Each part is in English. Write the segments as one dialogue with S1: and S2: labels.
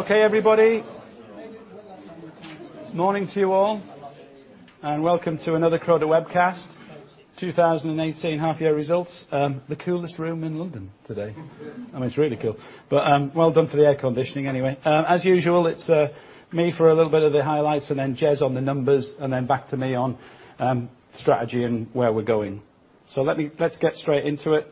S1: Okay, everybody. Morning to you all, welcome to another Croda webcast, 2018 half-year results. The coolest room in London today. It's really cool. Well done for the air conditioning anyway. As usual, it's me for a little bit of the highlights, Jez on the numbers, back to me on strategy and where we're going. Let's get straight into it.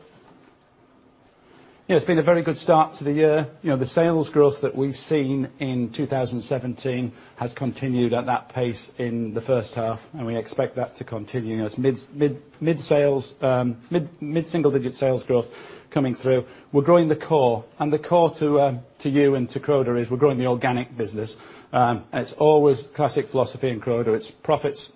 S1: It's been a very good start to the year. The sales growth that we've seen in 2017 has continued at that pace in the first half, we expect that to continue as mid-single digit sales growth coming through. We're growing the core, the core to you and to Croda is we're growing the organic business. It's always classic philosophy in Croda. It's profits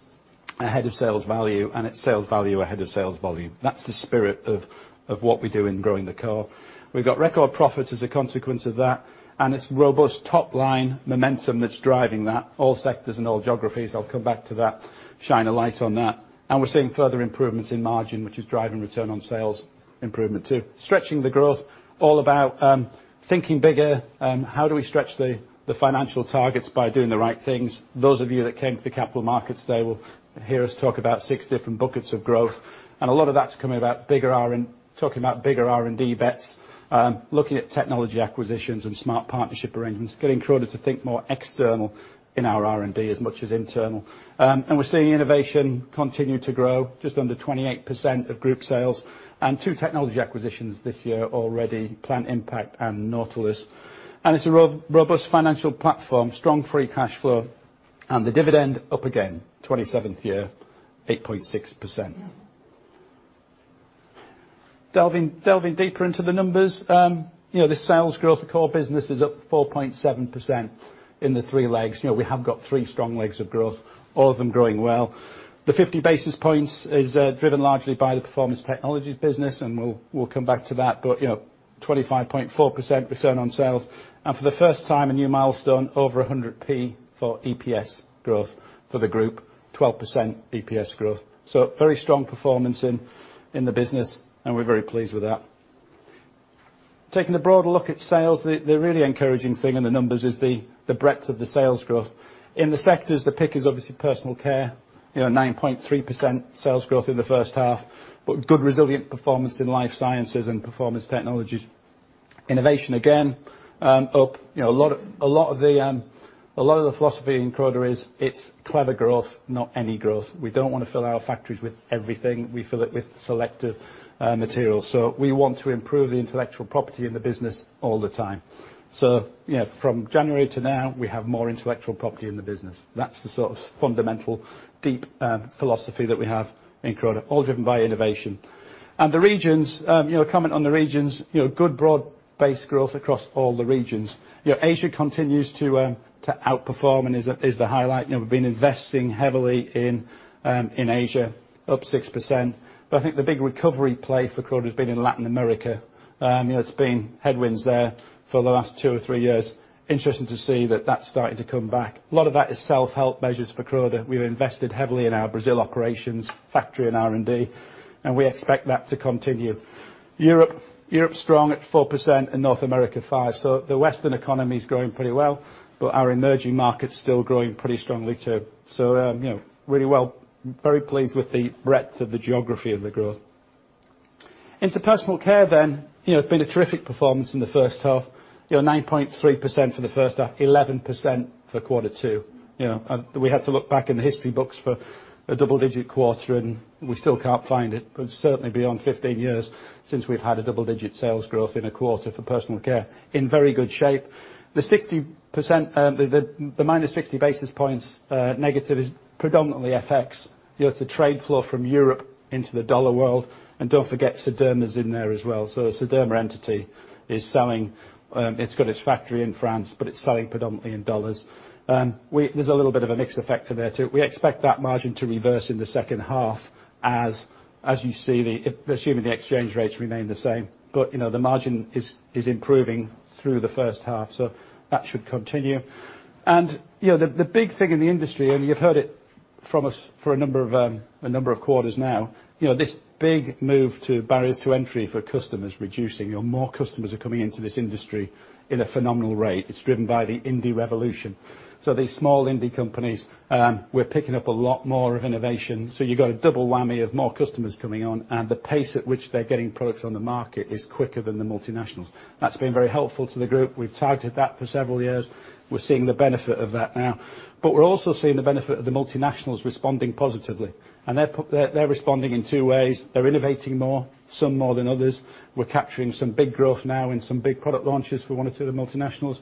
S1: ahead of sales value and it's sales value ahead of sales volume. That's the spirit of what we do in growing the core. We've got record profits as a consequence of that, it's robust top-line momentum that's driving that, all sectors and all geographies. I'll come back to that, shine a light on that. We're seeing further improvements in margin, which is driving return on sales improvement, too. Stretching the growth, all about thinking bigger. How do we stretch the financial targets by doing the right things? Those of you that came to the Capital Markets Day will hear us talk about six different buckets of growth, a lot of that's coming about talking about bigger R&D bets, looking at technology acquisitions and smart partnership arrangements, getting Croda to think more external in our R&D as much as internal. We're seeing innovation continue to grow, just under 28% of group sales. Two technology acquisitions this year already, Plant Impact and Nautilus. It's a robust financial platform, strong free cash flow, the dividend up again, 27th year, 8.6%. Delving deeper into the numbers. The sales growth of core business is up 4.7% in the three legs. We have got three strong legs of growth, all of them growing well. The 50 basis points is driven largely by the Performance Technologies business, we'll come back to that. 25.4% return on sales. For the first time, a new milestone, over 100 P for EPS growth for the group, 12% EPS growth. Very strong performance in the business, we're very pleased with that. Taking a broader look at sales, the really encouraging thing in the numbers is the breadth of the sales growth. In the sectors, the pick is obviously Personal Care, 9.3% sales growth in the first half. Good resilient performance in Life Sciences and Performance Technologies. Innovation, again, up. A lot of the philosophy in Croda is it's clever growth, not any growth. We don't want to fill our factories with everything. We fill it with selective materials. We want to improve the intellectual property in the business all the time. From January to now, we have more intellectual property in the business. That's the sort of fundamental, deep philosophy that we have in Croda, all driven by innovation. The regions, comment on the regions. Good broad-based growth across all the regions. Asia continues to outperform and is the highlight. We've been investing heavily in Asia, up 6%. I think the big recovery play for Croda has been in Latin America. It's been headwinds there for the last two or three years. Interesting to see that that's starting to come back. A lot of that is self-help measures for Croda. We've invested heavily in our Brazil operations factory and R&D, and we expect that to continue. Europe strong at 4% and North America, 5%. The Western economy is growing pretty well, but our emerging markets still growing pretty strongly, too. That's really well. Very pleased with the breadth of the geography of the growth. Into Personal Care. It's been a terrific performance in the first half. 9.3% for the first half, 11% for quarter two. We had to look back in the history books for a double-digit quarter, and we still can't find it, but certainly beyond 15 years since we've had a double-digit sales growth in a quarter for Personal Care. It's in very good shape. The minus 60 basis points negative is predominantly FX. It's a trade flow from Europe into the dollar world. Don't forget, Sederma's in there as well. The Sederma entity is selling. It's got its factory in France, but it's selling predominantly in dollars. There's a little bit of a mix effect there, too. We expect that margin to reverse in the second half, assuming the exchange rates remain the same. The margin is improving through the first half, so that should continue. The big thing in the industry, and you've heard it from us for a number of quarters now, this big move to barriers to entry for customers reducing. More customers are coming into this industry in a phenomenal rate. It's driven by the indie revolution. These small indie companies, we're picking up a lot more of innovation. You've got a double whammy of more customers coming on, and the pace at which they're getting products on the market is quicker than the multinationals. That's been very helpful to the group. We've targeted that for several years. We're seeing the benefit of that now. We're also seeing the benefit of the multinationals responding positively, and they're responding in two ways. They're innovating more, some more than others. We're capturing some big growth now in some big product launches for one or two of the multinationals.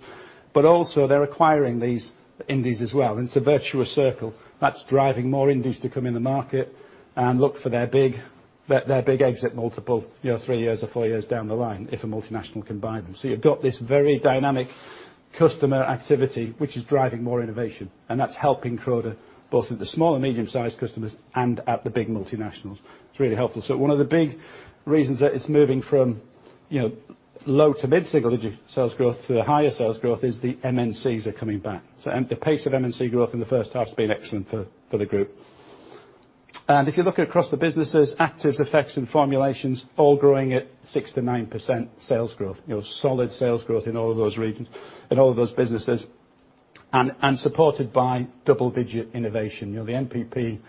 S1: They're also acquiring these indies as well, and it's a virtuous circle. That's driving more indies to come in the market and look for their big exit multiple three years or four years down the line if a multinational can buy them. You've got this very dynamic customer activity, which is driving more innovation, and that's helping Croda both with the small and medium-sized customers and at the big multinationals. It's really helpful. One of the big reasons that it's moving from low to mid-single digit sales growth to higher sales growth is the MNCs are coming back. The pace of MNC growth in the first half has been excellent for the group. If you look across the businesses, Actives, Effects, and Formulations all growing at 6%-9% sales growth. Solid sales growth in all of those regions, in all of those businesses. Supported by double-digit innovation. The NPP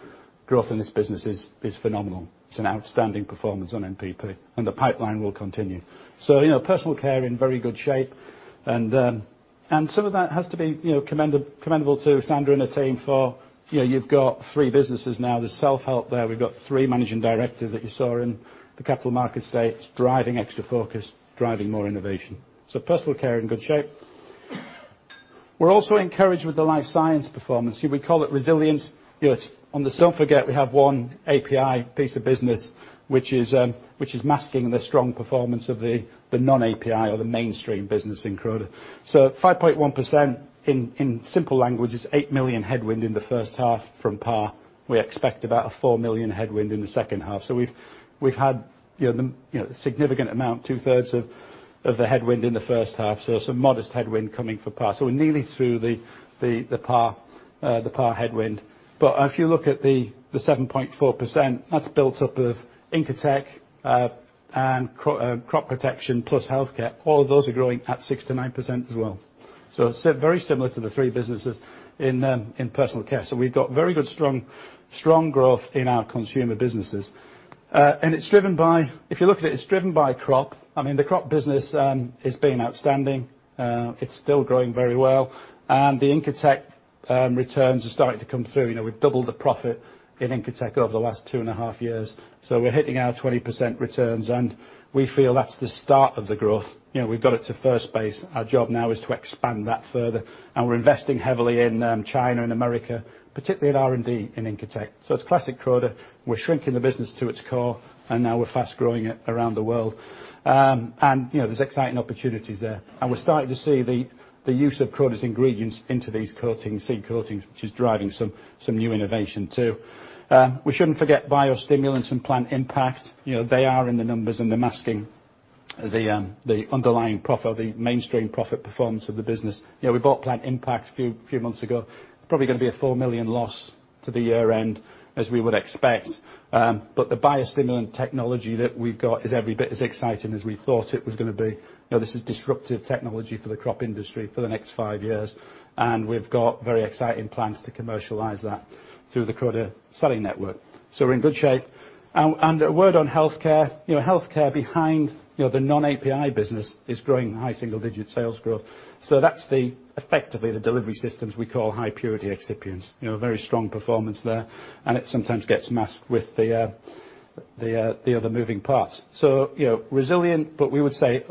S1: growth in this business is phenomenal. It's an outstanding performance on NPP, and the pipeline will continue. Personal Care is in very good shape. Some of that has to be commendable to Sandra and her team for, you have got three businesses now. There's self-help there. We have got three managing directors that you saw in the capital market stage driving extra focus, driving more innovation. So Personal Care in good shape. We are also encouraged with the Life Sciences performance. We call it resilience. Do not forget, we have one API piece of business, which is masking the strong performance of the non-API or the mainstream business in Croda. So 5.1% in simple language is 8 million headwind in the first half from Par. We expect about a 4 million headwind in the second half. So we have had the significant amount, two-thirds of the headwind in the first half. So some modest headwind coming for Par. So we are nearly through the Par headwind. If you look at the 7.4%, that is built up of Incotec and Crop Protection plus Healthcare. All of those are growing at 6%-9% as well. So it is very similar to the three businesses in Personal Care. So we have got very good, strong growth in our consumer businesses. If you look at it is driven by Crop. I mean, the Crop business has been outstanding. It is still growing very well. And the Incotec returns are starting to come through. We have doubled the profit in Incotec over the last two and a half years. So we are hitting our 20% returns, and we feel that is the start of the growth. We have got it to first base. Our job now is to expand that further, and we are investing heavily in China and America, particularly at R&D in Incotec. So it is classic Croda. We are shrinking the business to its core, and now we are fast growing it around the world. And there is exciting opportunities there. And we are starting to see the use of Croda's ingredients into these seed coatings, which is driving some new innovation, too. We should not forget biostimulants and Plant Impact. They are in the numbers, and they are masking the underlying profit or the mainstream profit performance of the business. We bought Plant Impact a few months ago. Probably going to be a 4 million loss to the year-end, as we would expect. But the biostimulant technology that we have got is every bit as exciting as we thought it was going to be. This is disruptive technology for the Crop industry for the next five years, and we have got very exciting plans to commercialize that through the Croda selling network. So we are in good shape. And a word on Healthcare. Healthcare behind the non-API business is growing high single-digit sales growth. So that is effectively the delivery systems we call high-purity excipients. Very strong performance there, and it sometimes gets masked with the other moving parts. So resilient, we would say,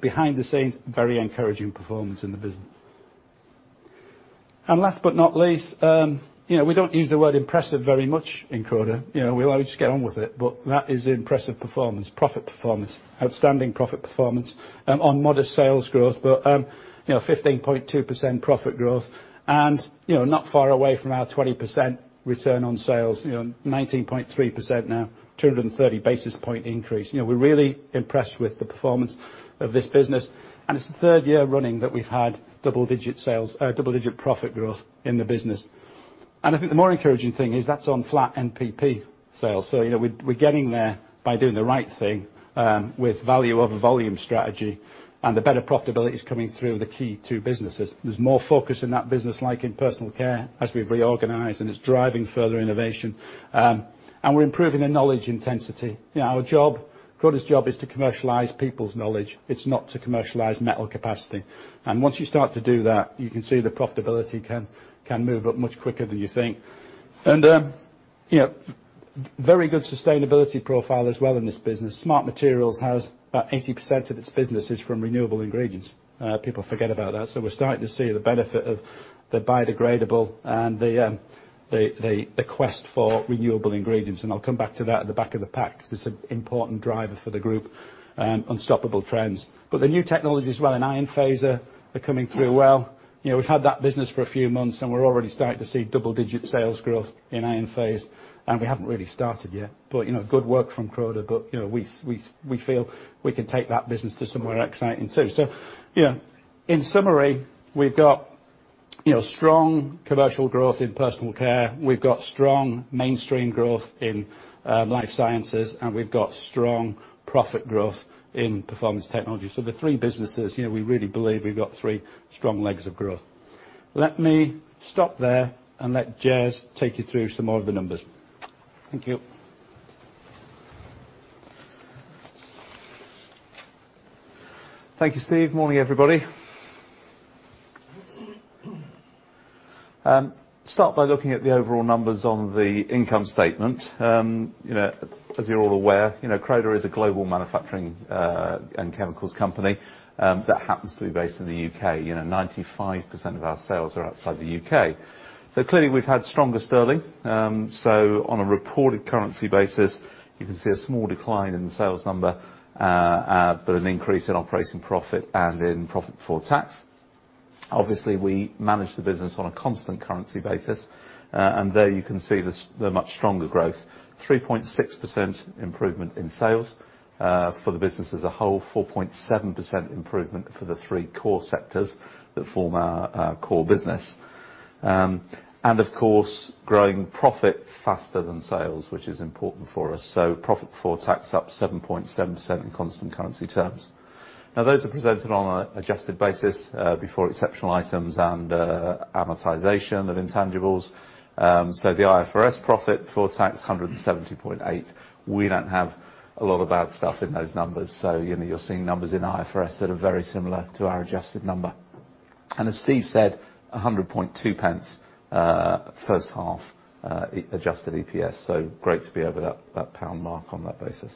S1: behind the scenes, very encouraging performance in the business. Last but not least, we do not use the word impressive very much in Croda. We like to just get on with it, that is impressive performance, profit performance. Outstanding profit performance on modest sales growth, 15.2% profit growth and not far away from our 20% return on sales. 19.3% now, 230 basis point increase. We are really impressed with the performance of this business. And it is the third year running that we have had double-digit profit growth in the business. And I think the more encouraging thing is that is on flat NPP sales. We're getting there by doing the right thing with value over volume strategy, the better profitability's coming through the key two businesses. There's more focus in that business, like in Personal Care, as we've reorganized, it's driving further innovation. We're improving the knowledge intensity. Croda's job is to commercialize people's knowledge. It's not to commercialize metal capacity. Once you start to do that, you can see the profitability can move up much quicker than you think. Very good sustainability profile as well in this business. Smart Materials has about 80% of its business is from renewable ingredients. People forget about that. We're starting to see the benefit of the biodegradable and the quest for renewable ingredients. I'll come back to that at the back of the pack because it's an important driver for the group, unstoppable trends. The new technologies as well in IonPhasE are coming through well. We've had that business for a few months, we're already starting to see double-digit sales growth in IonPhasE and we haven't really started yet. Good work from Croda, but we feel we can take that business to somewhere exciting too. In summary, we've got strong commercial growth in Personal Care, we've got strong mainstream growth in Life Sciences, we've got strong profit growth in Performance Technologies. The three businesses, we really believe we've got three strong legs of growth. Let me stop there and let Jez take you through some more of the numbers. Thank you.
S2: Thank you, Steve. Morning, everybody. Start by looking at the overall numbers on the income statement. As you're all aware, Croda is a global manufacturing and chemicals company that happens to be based in the U.K. 95% of our sales are outside the U.K. Clearly, we've had stronger sterling. On a reported currency basis, you can see a small decline in the sales number, but an increase in operating profit and in profit before tax. Obviously, we manage the business on a constant currency basis. There you can see the much stronger growth. 3.6% improvement in sales for the business as a whole, 4.7% improvement for the three core sectors that form our core business. Of course, growing profit faster than sales, which is important for us. Profit before tax up 7.7% in constant currency terms. Those are presented on an adjusted basis before exceptional items and amortization of intangibles. The IFRS profit before tax 170.8. We don't have a lot of bad stuff in those numbers, you're seeing numbers in IFRS that are very similar to our adjusted number. As Steve said, 1.002 first half adjusted EPS, great to be over that pound mark on that basis.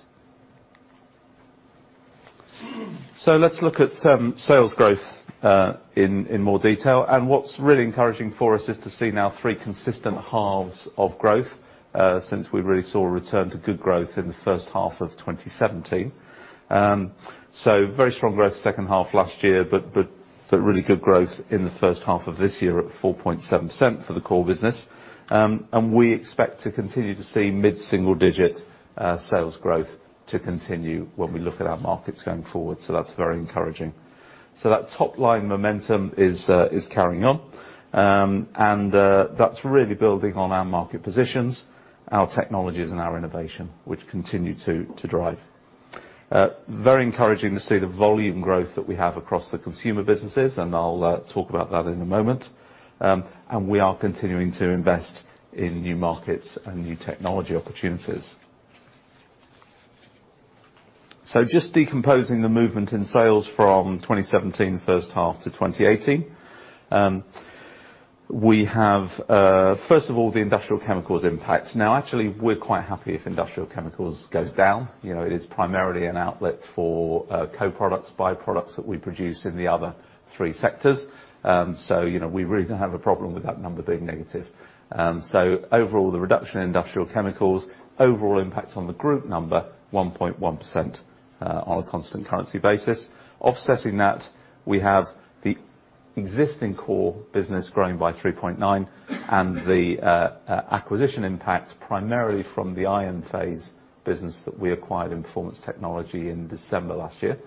S2: Let's look at sales growth in more detail. What's really encouraging for us is to see now three consistent halves of growth since we really saw a return to good growth in the first half of 2017. Very strong growth second half last year, but really good growth in the first half of this year at 4.7% for the core business. We expect to continue to see mid-single-digit sales growth to continue when we look at our markets going forward. That's very encouraging. That top-line momentum is carrying on. That's really building on our market positions, our technologies, and our innovation, which continue to drive. Very encouraging to see the volume growth that we have across the consumer businesses, and I'll talk about that in a moment. We are continuing to invest in new markets and new technology opportunities. Just decomposing the movement in sales from 2017, the first half to 2018. We have, first of all, the Industrial Chemicals impact. Actually, we're quite happy if Industrial Chemicals goes down. It is primarily an outlet for co-products, byproducts that we produce in the other three sectors. We really don't have a problem with that number being negative. Overall, the reduction in Industrial Chemicals, overall impact on the group number, 1.1% on a constant currency basis. Offsetting that, we have the existing core business growing by 3.9%, and the acquisition impact primarily from the IonPhasE business that we acquired in Performance Technologies in December last year,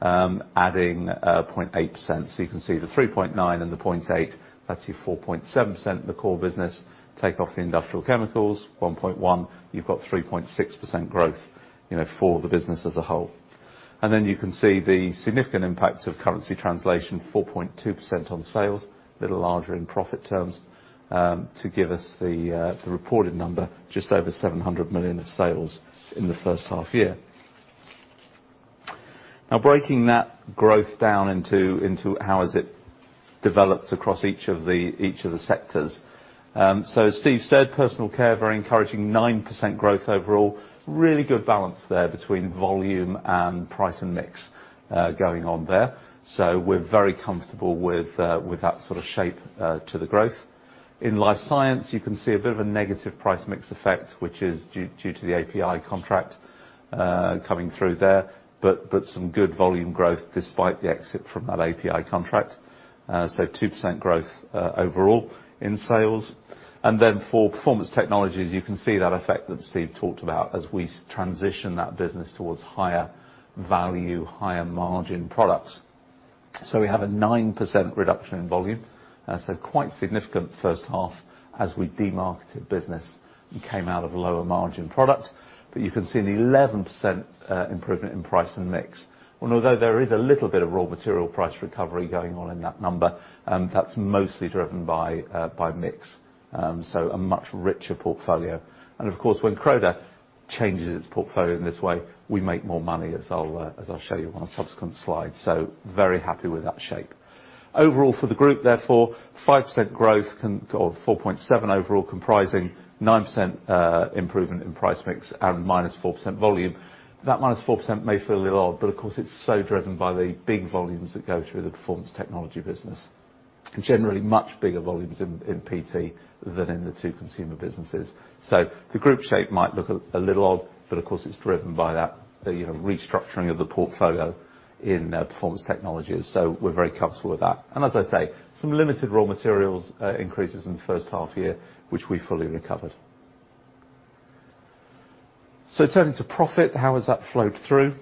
S2: adding 0.8%. You can see the 3.9% and the 0.8%, that's your 4.7% in the core business. Take off the Industrial Chemicals, 1.1%, you've got 3.6% growth for the business as a whole. You can see the significant impact of currency translation, 4.2% on sales, a little larger in profit terms, to give us the reported number, just over 700 million of sales in the first half year. Breaking that growth down into how has it developed across each of the sectors. As Steve said, Personal Care, very encouraging, 9% growth overall. Really good balance there between volume and price and mix going on there. We're very comfortable with that sort of shape to the growth. In Life Sciences, you can see a bit of a negative price mix effect, which is due to the API contract coming through there. Some good volume growth despite the exit from that API contract. 2% growth overall in sales. For Performance Technologies, you can see that effect that Steve talked about as we transition that business towards higher value, higher margin products. We have a 9% reduction in volume, quite significant first half as we demarketed business and came out of lower margin product. You can see an 11% improvement in price and mix. Although there is a little bit of raw material price recovery going on in that number, that's mostly driven by mix, a much richer portfolio. Of course, when Croda changes its portfolio in this way, we make more money, as I'll show you on a subsequent slide. Very happy with that shape. Overall for the group, therefore, 5% growth, or 4.7% overall, comprising 9% improvement in price mix and minus 4% volume. That minus 4% may feel a little odd, but of course, it's so driven by the big volumes that go through the Performance Technologies business. Generally, much bigger volumes in PT than in the two consumer businesses. The group shape might look a little odd, but of course, it's driven by that restructuring of the portfolio in Performance Technologies. We're very comfortable with that. As I say, some limited raw materials increases in the first half year, which we fully recovered. Turning to profit, how has that flowed through?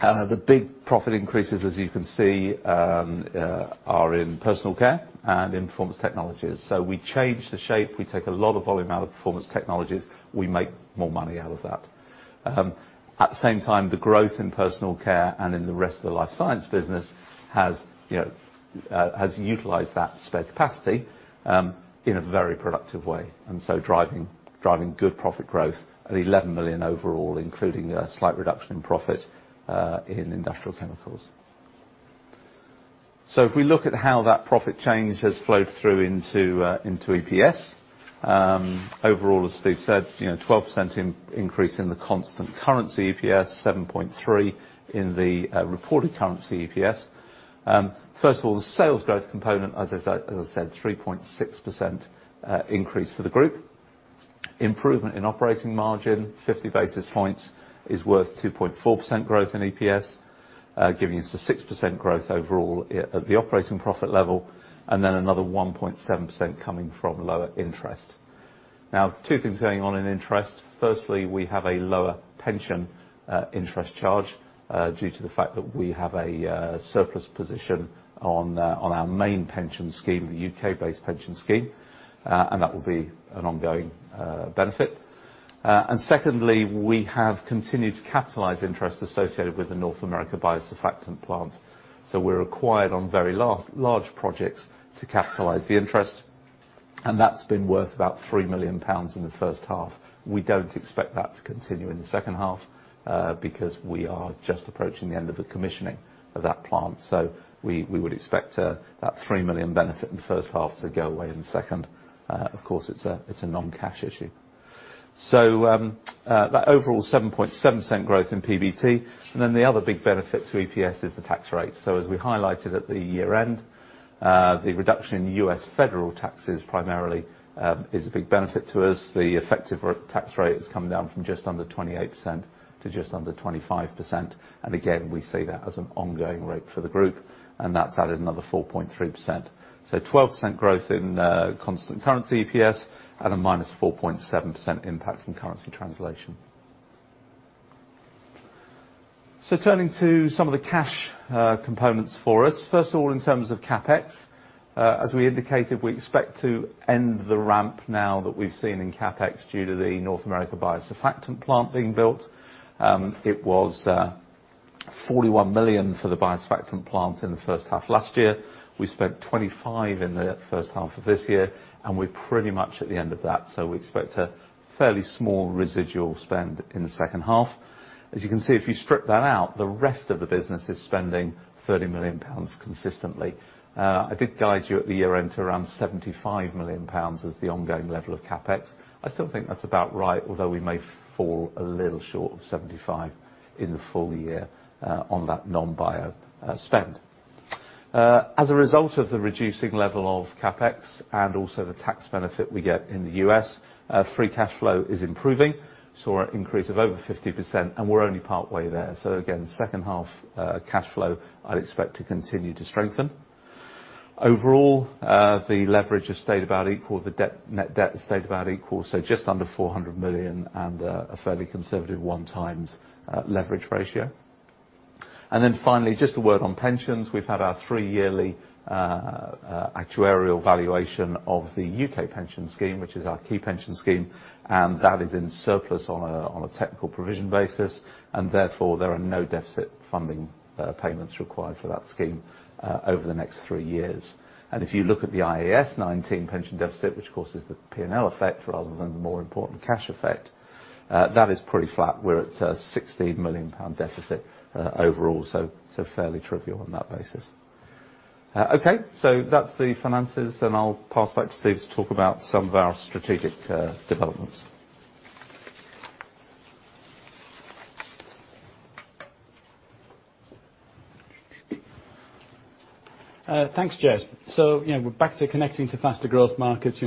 S2: The big profit increases, as you can see, are in Personal Care and in Performance Technologies. We change the shape. We take a lot of volume out of Performance Technologies. We make more money out of that. At the same time, the growth in Personal Care and in the rest of the Life Sciences business has utilized that spare capacity in a very productive way, driving good profit growth at 11 million overall, including a slight reduction in profit in Industrial Chemicals. If we look at how that profit change has flowed through into EPS. Overall, as Steve said, 12% increase in the constant currency EPS, 7.3 in the reported currency EPS. First of all, the sales growth component, as I said, 3.6% increase for the group. Improvement in operating margin, 50 basis points is worth 2.4% growth in EPS, giving us the 6% growth overall at the operating profit level, then another 1.7% coming from lower interest. Two things going on in interest. Firstly, we have a lower pension interest charge due to the fact that we have a surplus position on our main pension scheme, the U.K.-based pension scheme, and that will be an ongoing benefit. Secondly, we have continued to capitalize interest associated with the North America biosurfactant plant. We're required on very large projects to capitalize the interest, and that's been worth about 3 million pounds in the first half. We don't expect that to continue in the second half, because we are just approaching the end of the commissioning of that plant. We would expect that 3 million benefit in the first half to go away in the second. Of course, it's a non-cash issue. That overall 7.7% growth in PBT. The other big benefit to EPS is the tax rate. As we highlighted at the year-end, the reduction in U.S. federal taxes primarily, is a big benefit to us. The effective tax rate has come down from just under 28% to just under 25%. Again, we see that as an ongoing rate for the group, and that's added another 4.3%. 12% growth in constant currency EPS at a -4.7% impact from currency translation. Turning to some of the cash components for us, first of all, in terms of CapEx, as we indicated, we expect to end the ramp now that we've seen in CapEx due to the North America biosurfactant plant being built. It was 41 million for the biosurfactant plant in the first half last year. We spent 25 million in the first half of this year, and we're pretty much at the end of that. We expect a fairly small residual spend in the second half. As you can see, if you strip that out, the rest of the business is spending 30 million pounds consistently. I did guide you at the year-end to around 75 million pounds as the ongoing level of CapEx. I still think that's about right, although we may fall a little short of 75 million in the full year on that non-bio spend. As a result of the reducing level of CapEx and also the tax benefit we get in the U.S., free cash flow is improving. Saw an increase of over 50%, and we're only partway there. Again, second half cash flow, I'd expect to continue to strengthen. Overall, the leverage has stayed about equal. The net debt has stayed about equal, just under 400 million and a fairly conservative 1 times leverage ratio. Finally, just a word on pensions. We've had our 3 yearly actuarial valuation of the U.K. pension scheme, which is our key pension scheme, and that is in surplus on a technical provision basis, and therefore, there are no deficit funding payments required for that scheme over the next 3 years. If you look at the IAS 19 pension deficit, which of course, is the P&L effect rather than the more important cash effect, that is pretty flat. We're at a 16 million pound deficit overall, so fairly trivial on that basis. Okay, that's the finances, and I'll pass back to Steve to talk about some of our strategic developments.
S1: Thanks, Jez. We're back to connecting to faster growth markets,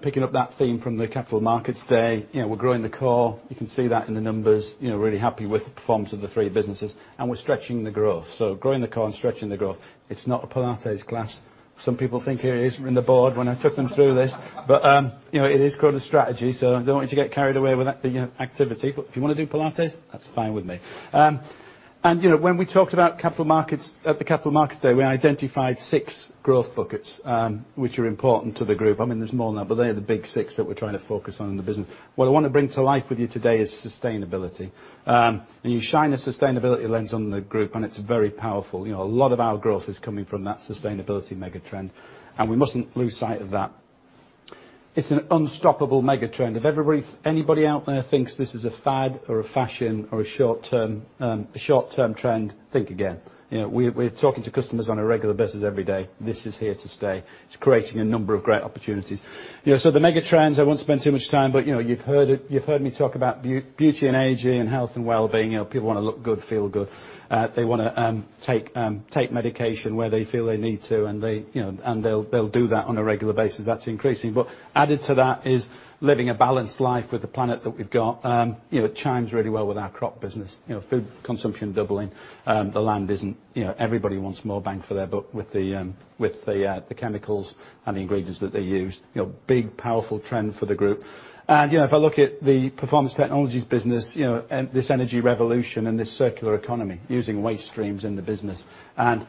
S1: picking up that theme from the capital markets day. We're growing the core. You can see that in the numbers. Really happy with the performance of the 3 businesses, and we're stretching the growth. Growing the core and stretching the growth. It's not a Pilates class. Some people think it is in the board when I took them through this. It is called a strategy, so I don't want you to get carried away with the activity. If you want to do Pilates, that's fine with me. When we talked about capital markets at the Capital Markets Day, we identified 6 growth buckets, which are important to the group. I mean, there's more now, but they're the big 6 that we're trying to focus on in the business. What I want to bring to life with you today is sustainability. When you shine a sustainability lens on the group, it's very powerful. A lot of our growth is coming from that sustainability mega-trend, and we mustn't lose sight of that. It's an unstoppable mega-trend. If anybody out there thinks this is a fad or a fashion or a short-term trend, think again. We're talking to customers on a regular basis every day. This is here to stay. It's creating a number of great opportunities. The mega trends, I won't spend too much time, but you've heard me talk about beauty and aging and health and wellbeing. People want to look good, feel good. They want to take medication where they feel they need to, and they'll do that on a regular basis. That's increasing. Added to that is living a balanced life with the planet that we've got. It chimes really well with our crop business. Food consumption doubling. The land isn't. Everybody wants more bang for their buck with the chemicals and the ingredients that they use. Big, powerful trend for the group. If I look at the Performance Technologies business, this energy revolution and this circular economy, using waste streams in the business, and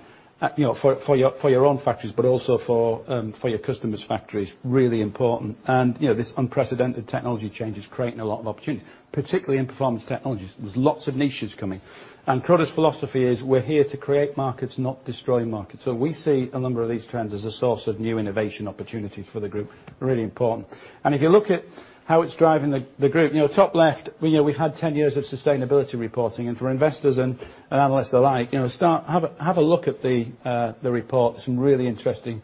S1: for your own factories, but also for your customers' factories, really important. This unprecedented technology change is creating a lot of opportunity, particularly in Performance Technologies. There's lots of niches coming. Croda's philosophy is we're here to create markets, not destroy markets. We see a number of these trends as a source of new innovation opportunities for the group, really important. If you look at how it's driving the group. Top left, we've had 10 years of sustainability reporting. For investors and analysts alike, have a look at the report. Some really interesting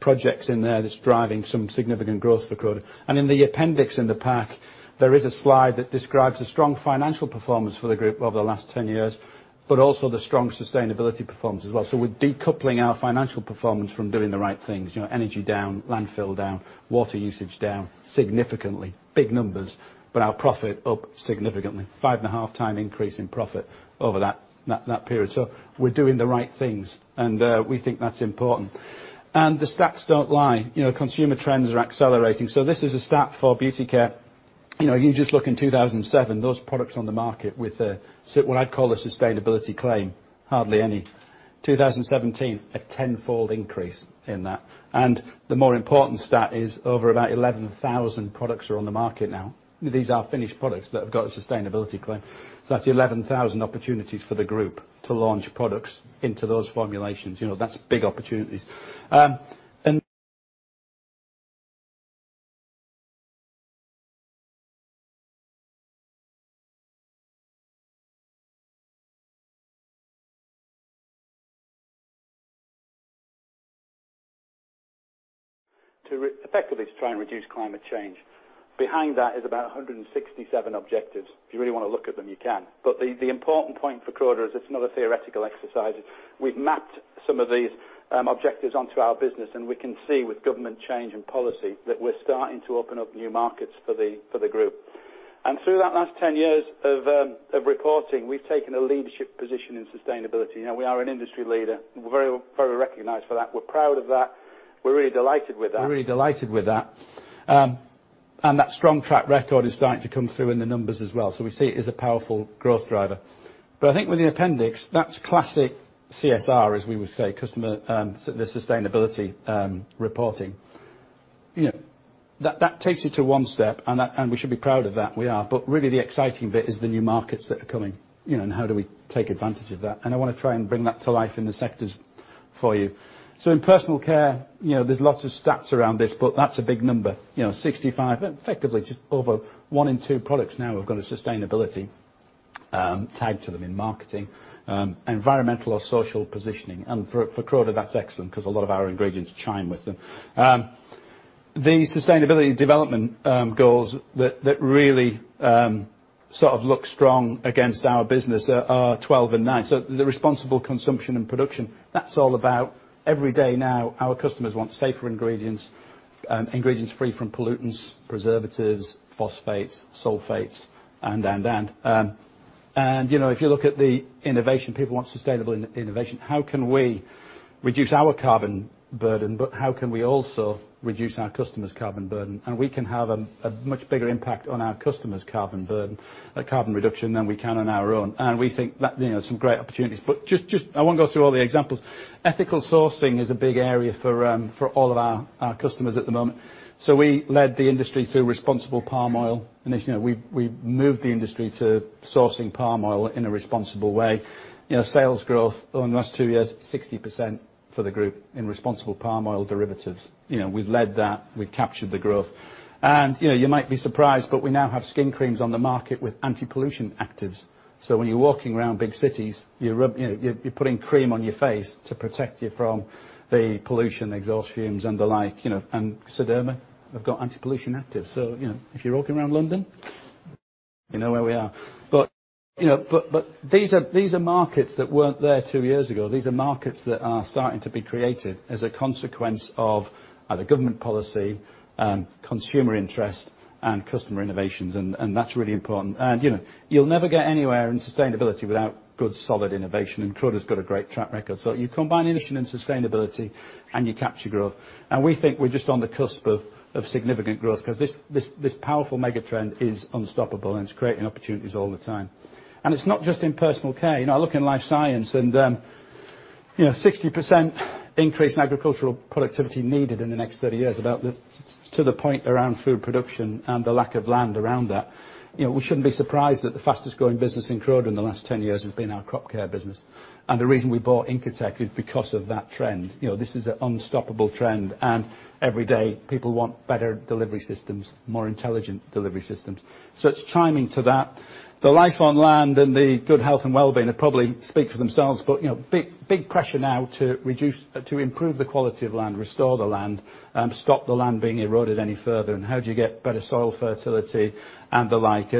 S1: projects in there that's driving some significant growth for Croda. In the appendix in the pack, there is a slide that describes the strong financial performance for the group over the last 10 years, but also the strong sustainability performance as well. We're decoupling our financial performance from doing the right things. Energy down, landfill down, water usage down significantly. Big numbers, but our profit up significantly. Five and a half time increase in profit over that period. We're doing the right things, and we think that's important. The stats don't lie. Consumer trends are accelerating. This is a stat for beauty care. You just look in 2007, those products on the market with what I'd call a sustainability claim, hardly any. 2017, a tenfold increase in that. The more important stat is over about 11,000 products are on the market now. These are finished products that have got a sustainability claim. That's 11,000 opportunities for the group to launch products into those Formulations. That's big opportunities. Effectively, to try and reduce climate change. Behind that is about 167 objectives. If you really want to look at them, you can. The important point for Croda is it's not a theoretical exercise. We've mapped some of these objectives onto our business, and we can see with government change and policy that we're starting to open up new markets for the group. Through that last 10 years of reporting, we've taken a leadership position in sustainability. Now we are an industry leader, and we're very recognized for that. We're proud of that. We're really delighted with that. That strong track record is starting to come through in the numbers as well. We see it as a powerful growth driver. I think with the appendix, that's classic CSR, as we would say, the sustainability reporting. That takes you to one step, and we should be proud of that, we are. Really the exciting bit is the new markets that are coming, and how do we take advantage of that? I want to try and bring that to life in the sectors for you. In Personal Care, there's lots of stats around this, but that's a big number. 65, effectively, just over one in two products now have got a sustainability tag to them in marketing, environmental or social positioning. For Croda, that's excellent because a lot of our ingredients chime with them. The Sustainable Development Goals that really sort of look strong against our business are 12 and 9. The responsible consumption and production, that's all about every day now, our customers want safer ingredients free from pollutants, preservatives, phosphates, sulfates, and, and. If you look at the innovation, people want sustainable innovation. How can we reduce our carbon burden, but how can we also reduce our customers' carbon burden? We can have a much bigger impact on our customers' carbon burden, carbon reduction, than we can on our own. We think that there's some great opportunities. I won't go through all the examples. Ethical sourcing is a big area for all of our customers at the moment. We led the industry through responsible palm oil. We moved the industry to sourcing palm oil in a responsible way. Sales growth over the last two years, 60% for the group in responsible palm oil derivatives. We've led that. We've captured the growth. You might be surprised, but we now have skin creams on the market with anti-pollution actives. When you're walking around big cities, you're putting cream on your face to protect you from the pollution, exhaust fumes, and the like. Sederma have got anti-pollution actives. If you're walking around London, you know where we are. These are markets that weren't there two years ago. These are markets that are starting to be created as a consequence of either government policy, consumer interest, and customer innovations. That's really important. You'll never get anywhere in sustainability without good, solid innovation, and Croda's got a great track record. You combine innovation and sustainability, and you capture growth. We think we're just on the cusp of significant growth because this powerful mega-trend is unstoppable, and it's creating opportunities all the time. It's not just in Personal Care. I look in Life Sciences, and 60% increase in agricultural productivity needed in the next 30 years, to the point around food production and the lack of land around that. We shouldn't be surprised that the fastest-growing business in Croda in the last 10 years has been our Crop Protection business. The reason we bought Incotec is because of that trend. This is an unstoppable trend. Every day, people want better delivery systems, more intelligent delivery systems. It's chiming to that. The Life on Land and the Good Health and Well-being probably speak for themselves, but big pressure now to improve the quality of land, restore the land, stop the land being eroded any further. How do you get better soil fertility and the like?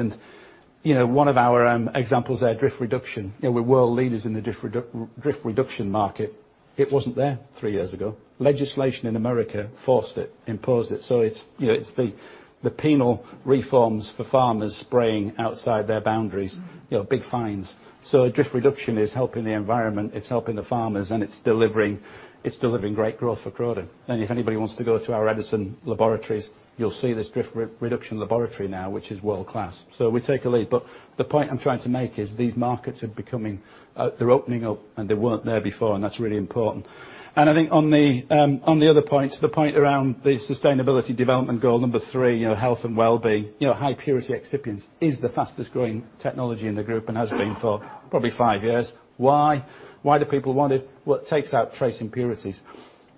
S1: One of our examples there, drift reduction. We're world leaders in the drift reduction market. It wasn't there three years ago. Legislation in the U.S. forced it, imposed it. It's the penal reforms for farmers spraying outside their boundaries, big fines. Drift reduction is helping the environment, it's helping the farmers, and it's delivering great growth for Croda. If anybody wants to go to our Edison Laboratories, you'll see this drift reduction laboratory now, which is world-class. We take a lead. The point I'm trying to make is these markets are opening up, and they weren't there before, and that's really important. I think on the other point, the point around the Sustainable Development Goal number 3, health and wellbeing, high-purity excipients is the fastest-growing technology in the group and has been for probably five years. Why? Why do people want it? It takes out trace impurities,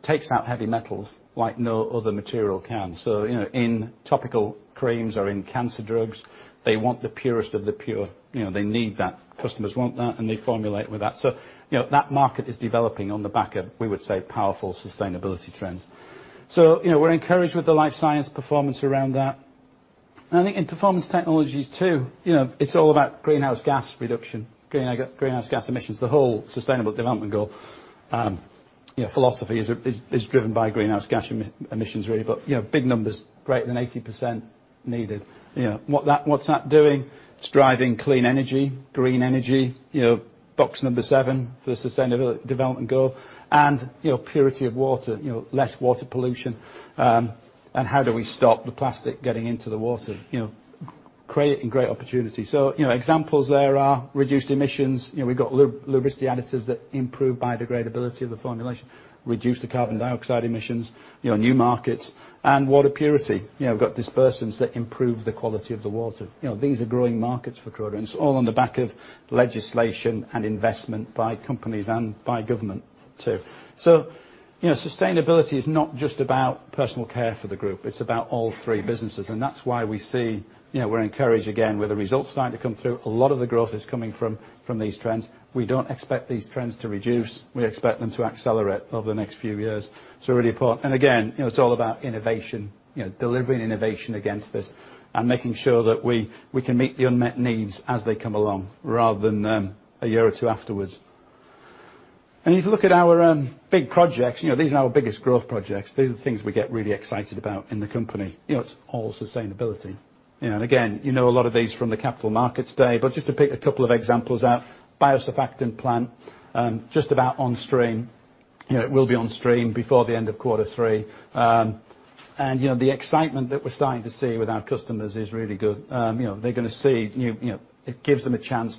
S1: takes out heavy metals like no other material can. In topical creams or in cancer drugs, they want the purest of the pure. They need that. Customers want that, they formulate with that. That market is developing on the back of, we would say, powerful sustainability trends. We're encouraged with the Life Sciences performance around that. I think in Performance Technologies too, it's all about greenhouse gas reduction, greenhouse gas emissions. The whole Sustainable Development Goal philosophy is driven by greenhouse gas emissions, really. Big numbers, greater than 80% needed. What's that doing? It's driving clean energy, green energy, box number 7 for Sustainable Development Goal and purity of water, less water pollution, and how do we stop the plastic getting into the water? Creating great opportunities. Examples there are reduced emissions. We've got lubricity additives that improve biodegradability of the formulation, reduce the carbon dioxide emissions, new markets, water purity. We've got dispersants that improve the quality of the water. These are growing markets for Croda, it's all on the back of legislation and investment by companies and by government, too. Sustainability is not just about Personal Care for the group, it's about all three businesses. That's why we see, we're encouraged again, with the results starting to come through, a lot of the growth is coming from these trends. We don't expect these trends to reduce. We expect them to accelerate over the next few years. It's really important. Again, it's all about innovation, delivering innovation against this and making sure that we can meet the unmet needs as they come along rather than a year or two afterwards. If you look at our big projects, these are our biggest growth projects. These are the things we get really excited about in the company. It's all sustainability. You know a lot of these from the Capital Markets Day, just to pick a couple of examples out. Biosurfactant plant, just about on stream. It will be on stream before the end of quarter 3. The excitement that we're starting to see with our customers is really good. They're going to see, it gives them a chance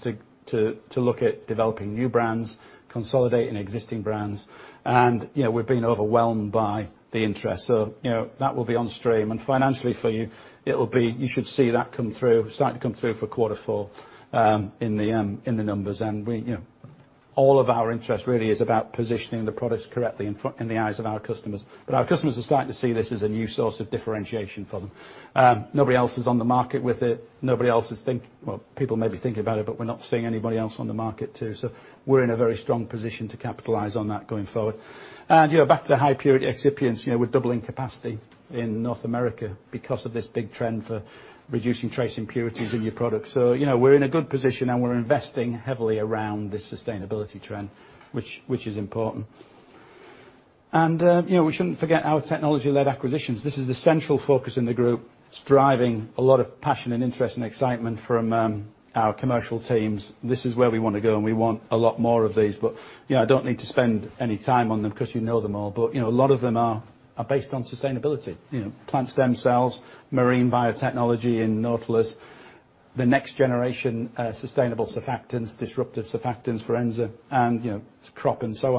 S1: to look at developing new brands, consolidating existing brands, we've been overwhelmed by the interest. That will be on stream financially for you should see that come through, starting to come through for quarter 4 in the numbers. All of our interest really is about positioning the products correctly in the eyes of our customers, our customers are starting to see this as a new source of differentiation for them. Nobody else is on the market with it. Nobody else is thinking, people may be thinking about it, we're not seeing anybody else on the market, too. We're in a very strong position to capitalize on that going forward. Back to the high-purity excipients, we're doubling capacity in North America because of this big trend for reducing trace impurities in your product. We're in a good position and we're investing heavily around this sustainability trend, which is important. We shouldn't forget our technology-led acquisitions. This is the central focus in the group. It's driving a lot of passion and interest and excitement from our commercial teams. This is where we want to go and we want a lot more of these, but I don't need to spend any time on them because you know them all. A lot of them are based on sustainability. Plant stem cells, marine biotechnology in Nautilus, the next generation sustainable surfactants, disruptive surfactants, Forenza, and Crop and so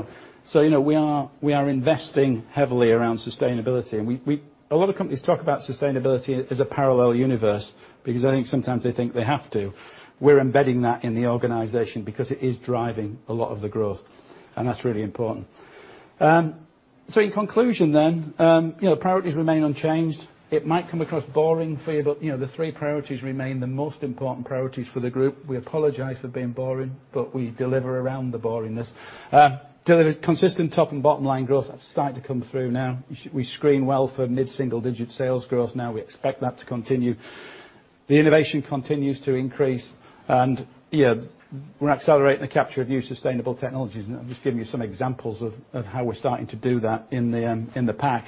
S1: on. We are investing heavily around sustainability and a lot of companies talk about sustainability as a parallel universe because I think sometimes they think they have to. We're embedding that in the organization because it is driving a lot of the growth, and that's really important. In conclusion, priorities remain unchanged. It might come across boring for you, but the three priorities remain the most important priorities for the group. We apologize for being boring, but we deliver around the boring-ness. Delivered consistent top and bottom line growth. That's starting to come through now. We screen well for mid-single digit sales growth now. We expect that to continue. The innovation continues to increase and we're accelerating the capture of new sustainable technologies. I've just given you some examples of how we're starting to do that in the pack.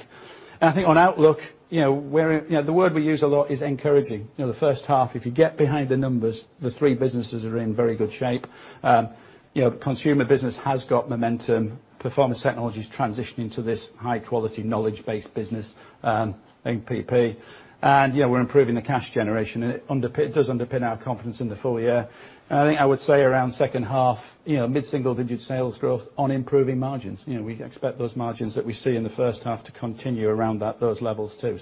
S1: I think on outlook, the word we use a lot is encouraging. The first half, if you get behind the numbers, the three businesses are in very good shape. Consumer business has got momentum. Performance Technologies is transitioning to this high quality knowledge-based business, NPP. We're improving the cash generation and it does underpin our confidence in the full year. I think I would say around second half, mid-single digit sales growth on improving margins. We expect those margins that we see in the first half to continue around those levels, too.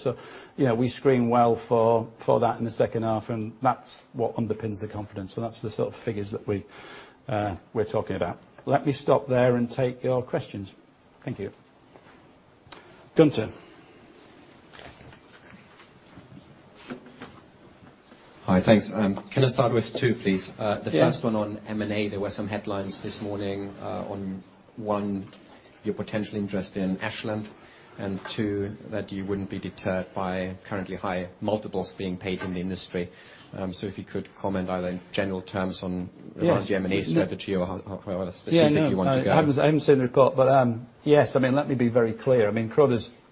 S1: We screen well for that in the second half and that's what underpins the confidence. That's the sort of figures that we're talking about. Let me stop there and take your questions. Thank you. Gunther.
S3: Hi. Thanks. Can I start with two, please?
S1: Yeah.
S3: The first one on M&A, there were some headlines this morning, on, one, your potential interest in Ashland, and two, that you wouldn't be deterred by currently high multiples being paid in the industry. If you could comment either in general terms on-
S1: Yes
S3: regarding the M&A strategy or however specific you want to go.
S1: Yeah, no. I haven't seen the report, but, yes. Let me be very clear.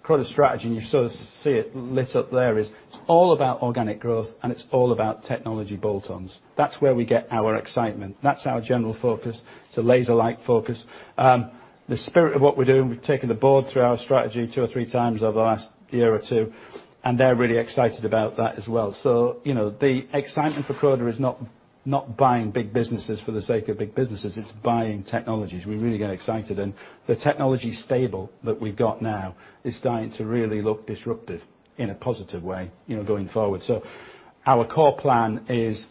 S1: Croda's strategy, and you sort of see it lit up there, is it's all about organic growth and it's all about technology bolt-ons. That's where we get our excitement. That's our general focus. It's a laser-like focus. The spirit of what we're doing, we've taken the board through our strategy two or three times over the last year or two, and they're really excited about that as well. The excitement for Croda is not buying big businesses for the sake of big businesses. It's buying technologies. We really get excited and the technology stable that we've got now is starting to really look disruptive in a positive way going forward. Our core plan is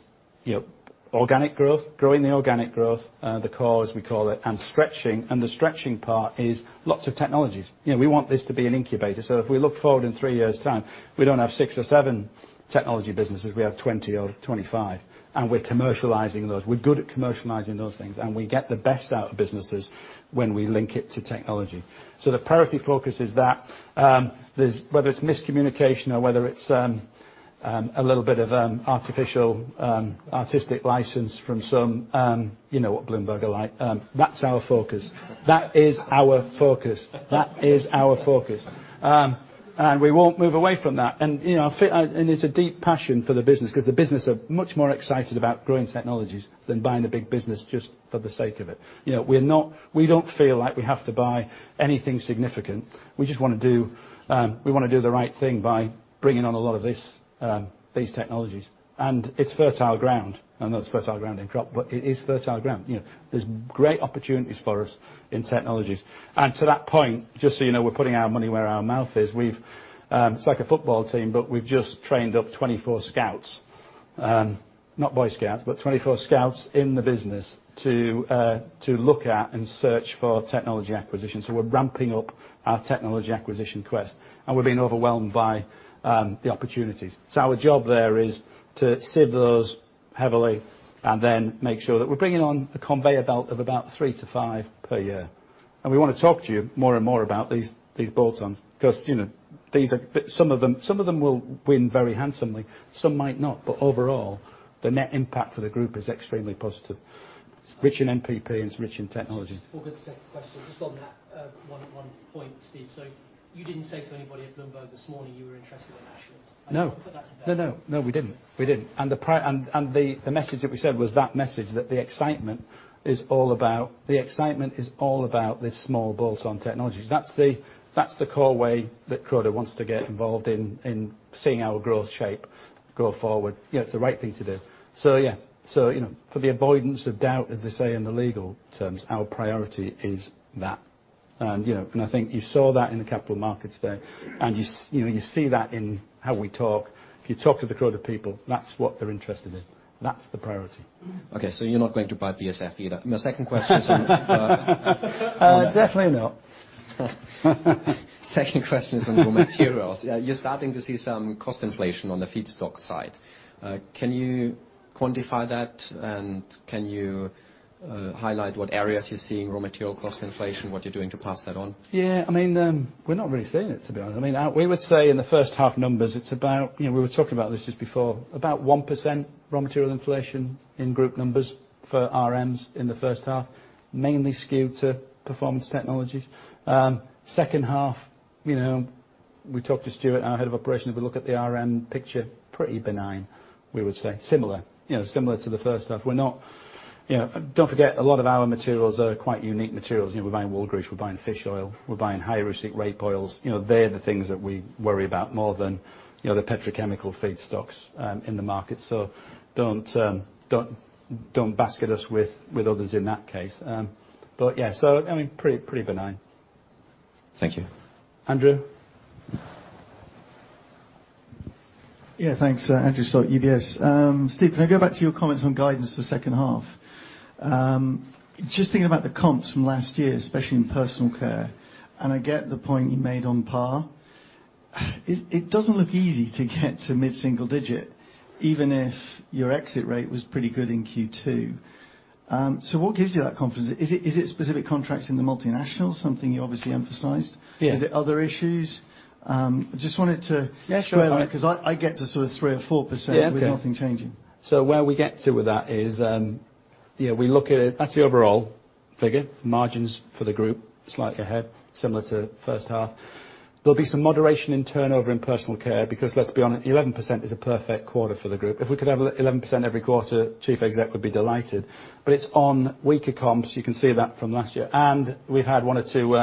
S1: organic growth, growing the organic growth, the core as we call it, and stretching. The stretching part is lots of technologies. We want this to be an incubator. If we look forward in three years' time, we don't have six or seven technology businesses, we have 20 or 25, and we're commercializing those. We're good at commercializing those things, and we get the best out of businesses when we link it to technology. The priority focus is that. Whether it's miscommunication or whether it's a little bit of an artificial artistic license from some You know what Bloomberg are like. That's our focus. That is our focus. That is our focus. We won't move away from that. It's a deep passion for the business, because the business are much more excited about growing technologies than buying a big business just for the sake of it. We don't feel like we have to buy anything significant. We just want to do the right thing by bringing on a lot of these technologies. It's fertile ground. I know it's fertile ground in Crop Protection, it is fertile ground. There's great opportunities for us in technologies. To that point, just so you know, we're putting our money where our mouth is. It's like a football team, we've just trained up 24 scouts. Not Boy Scouts, 24 scouts in the business to look at and search for technology acquisitions. We're ramping up our technology acquisition quest, and we're being overwhelmed by the opportunities. Our job there is to sieve those heavily, then make sure that we're bringing on a conveyor belt of about three to five per year. We want to talk to you more and more about these bolt-ons, because some of them will win very handsomely. Some might not. Overall, the net impact for the group is extremely positive. It's rich in NPP, it's rich in technology.
S3: Well, good. Second question. Just on that one point, Steve. You didn't say to anybody at Bloomberg this morning you were interested in Ashland?
S1: No.
S3: I put that to bed. No, we didn't. The message that we said was that message, that the excitement is all about this small bolt-on technologies. That's the core way that Croda wants to get involved in seeing our growth shape go forward. It's the right thing to do. Yeah. For the avoidance of doubt, as they say in the legal terms, our priority is that. I think you saw that in the capital markets today, and you see that in how we talk. If you talk to the Croda people, that's what they're interested in. That's the priority. Okay, you're not going to buy BASF either. My second question is on-
S1: Definitely not.
S3: Second question is on raw materials. You're starting to see some cost inflation on the feedstock side. Can you quantify that and can you highlight what areas you're seeing raw material cost inflation, what you're doing to pass that on?
S1: We're not really seeing it, to be honest. We would say in the first half numbers, it's about, we were talking about this just before, about 1% raw material inflation in group numbers for RMs in the first half, mainly skewed to Performance Technologies. Second half, we talked to Stuart, our head of operation, if we look at the RM picture, pretty benign, we would say. Similar to the first half. Don't forget, a lot of our materials are quite unique materials. We're buying wool grease, we're buying fish oil, we're buying high-erucic rapeseed oils. They're the things that we worry about more than the petrochemical feedstocks in the market. Don't basket us with others in that case. Pretty benign.
S3: Thank you.
S1: Andrew?
S4: Thanks. Andrew Stott, UBS. Steve, can I go back to your comments on guidance for the second half? Just thinking about the comps from last year, especially in Personal Care, and I get the point you made on Par. It doesn't look easy to get to mid-single digit, even if your exit rate was pretty good in Q2. What gives you that confidence? Is it specific contracts in the multinationals, something you obviously emphasized?
S1: Yes.
S4: Is it other issues?
S1: Yeah, sure.
S4: because I get to sort of three or 4%.
S1: Yeah, okay.
S4: with nothing changing.
S1: Where we get to with that is, we look at it, that is the overall figure. Margins for the group, slightly ahead, similar to first half. There will be some moderation in turnover in Personal Care because let's be honest, 11% is a perfect quarter for the group. If we could have 11% every quarter, Chief Exec would be delighted. It is on weaker comps, you can see that from last year. We have had one or two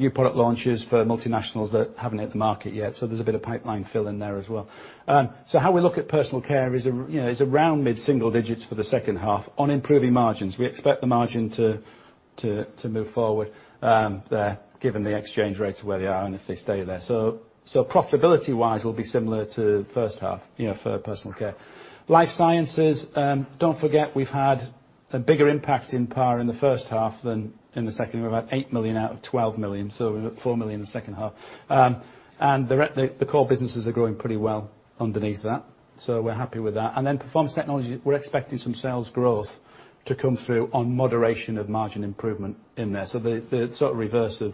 S1: new product launches for MNCs that have not hit the market yet. There is a bit of pipeline fill in there as well. How we look at Personal Care is around mid-single digits for the second half on improving margins. We expect the margin to move forward there, given the exchange rates where they are and if they stay there. Profitability-wise, we will be similar to first half for Personal Care. Life Sciences, do not forget, we have had a bigger impact in par in the first half than in the second. We have had 8 million out of 12 million, 4 million in the second half. The core businesses are growing pretty well underneath that. We are happy with that. Performance Technologies, we are expecting some sales growth to come through on moderation of margin improvement in there. The sort of reverse of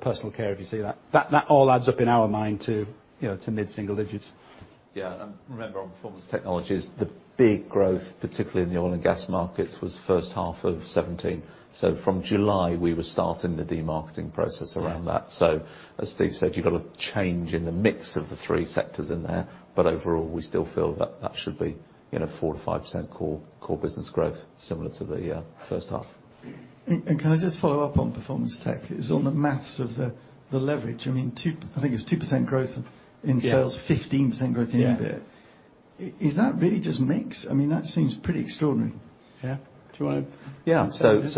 S1: Personal Care, if you see that. That all adds up in our mind to mid-single digits.
S2: Yeah. Remember on Performance Technologies, the big growth, particularly in the oil and gas markets, was first half of 2017. From July, we were starting the demarketing process around that.
S1: Yeah.
S2: As Steve said, you got a change in the mix of the three sectors in there. Overall, we still feel that that should be 4%-5% core business growth, similar to the first half.
S4: Can I just follow up on Performance Technologies? It's on the math of the leverage. I think it's 2% growth in sales-
S1: Yeah
S4: 15% growth in EBIT.
S1: Yeah.
S4: Is that really just mix? That seems pretty extraordinary.
S1: Yeah. Do you want to?
S2: Yeah,